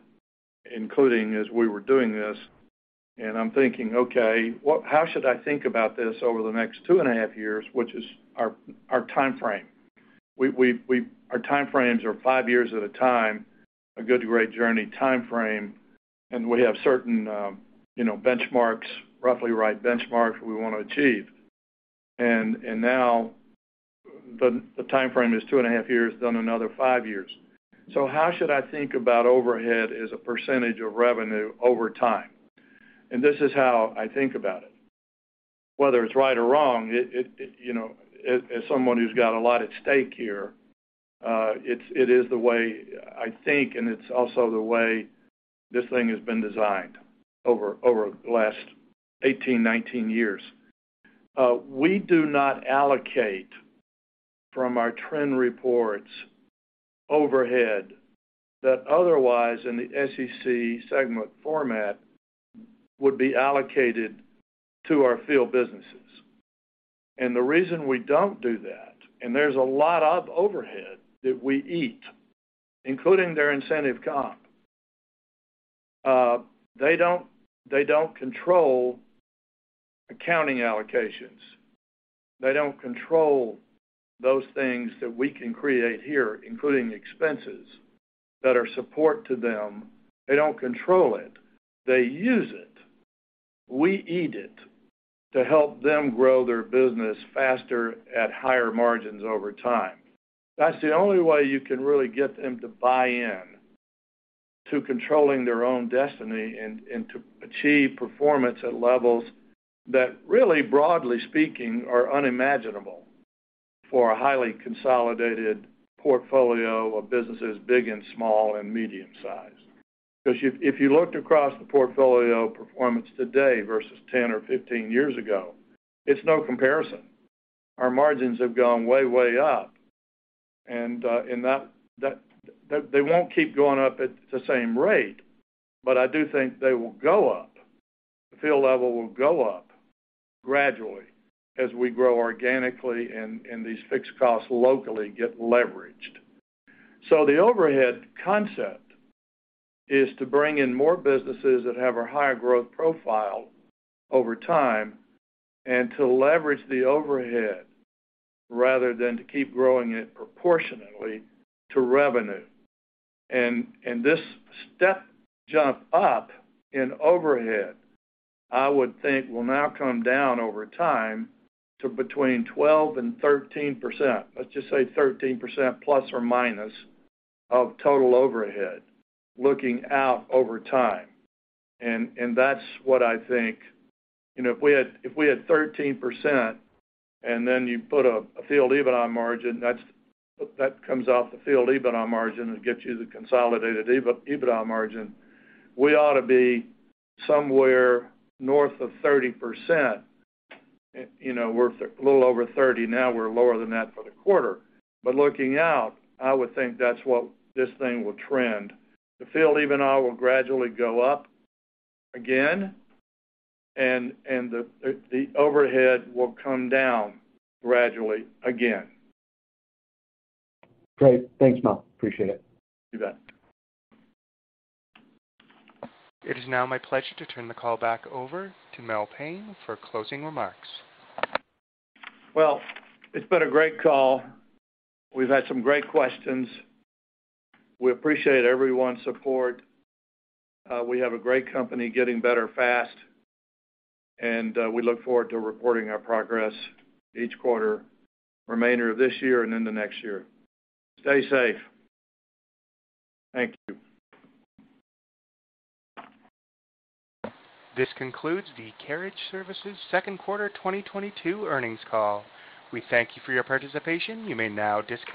[SPEAKER 3] including as we were doing this. I'm thinking, "Okay, what, how should I think about this over the next 2.5 years, which is our timeframe?" Our timeframes are five years at a time, a Good to Great journey timeframe, and we have certain, you know, benchmarks, roughly right benchmarks we wanna achieve. Now the timeframe is 2.5 years, then another five years. How should I think about overhead as a percentage of revenue over time? This is how I think about it, whether it's right or wrong, as someone who's got a lot at stake here, it is the way I think, and it's also the way this thing has been designed over the last 18, 19 years. We do not allocate from our trend reports overhead that otherwise in the SEC segment format would be allocated to our field businesses. The reason we don't do that, and there's a lot of overhead that we eat, including their incentive comp, they don't control accounting allocations. They don't control those things that we can create here, including expenses that are support to them. They don't control it. They use it. We eat it to help them grow their business faster at higher margins over time. That's the only way you can really get them to buy in to controlling their own destiny and to achieve performance at levels that really, broadly speaking, are unimaginable for a highly consolidated portfolio of businesses, big and small and medium-sized. Because if you looked across the portfolio performance today versus 10 or 15 years ago, it's no comparison. Our margins have gone way up, and they won't keep going up at the same rate, but I do think they will go up. The field level will go up gradually as we grow organically and these fixed costs locally get leveraged. The overhead concept is to bring in more businesses that have a higher growth profile over time and to leverage the overhead rather than to keep growing it proportionately to revenue. This step jump up in overhead, I would think will now come down over time to between 12% and 13%. Let's just say 13% plus or minus of total overhead looking out over time. That's what I think. You know, if we had 13% and then you put a field EBITDA margin, that's that comes off the field EBITDA margin and gets you the consolidated EBITDA margin, we ought to be somewhere north of 30%. You know, we're a little over 30 now. We're lower than that for the quarter. Looking out, I would think that's what this thing will trend. The field EBITDA will gradually go up again, and the overhead will come down gradually again.
[SPEAKER 10] Great. Thanks, Mel. Appreciate it.
[SPEAKER 3] You bet.
[SPEAKER 1] It is now my pleasure to turn the call back over to Mel Payne for closing remarks.
[SPEAKER 3] Well, it's been a great call. We've had some great questions. We appreciate everyone's support. We have a great company getting better fast, and we look forward to reporting our progress each quarter, remainder of this year and into next year. Stay safe. Thank you.
[SPEAKER 1] This concludes the Carriage Services second quarter 2022 earnings call. We thank you for your participation. You may now disconnect.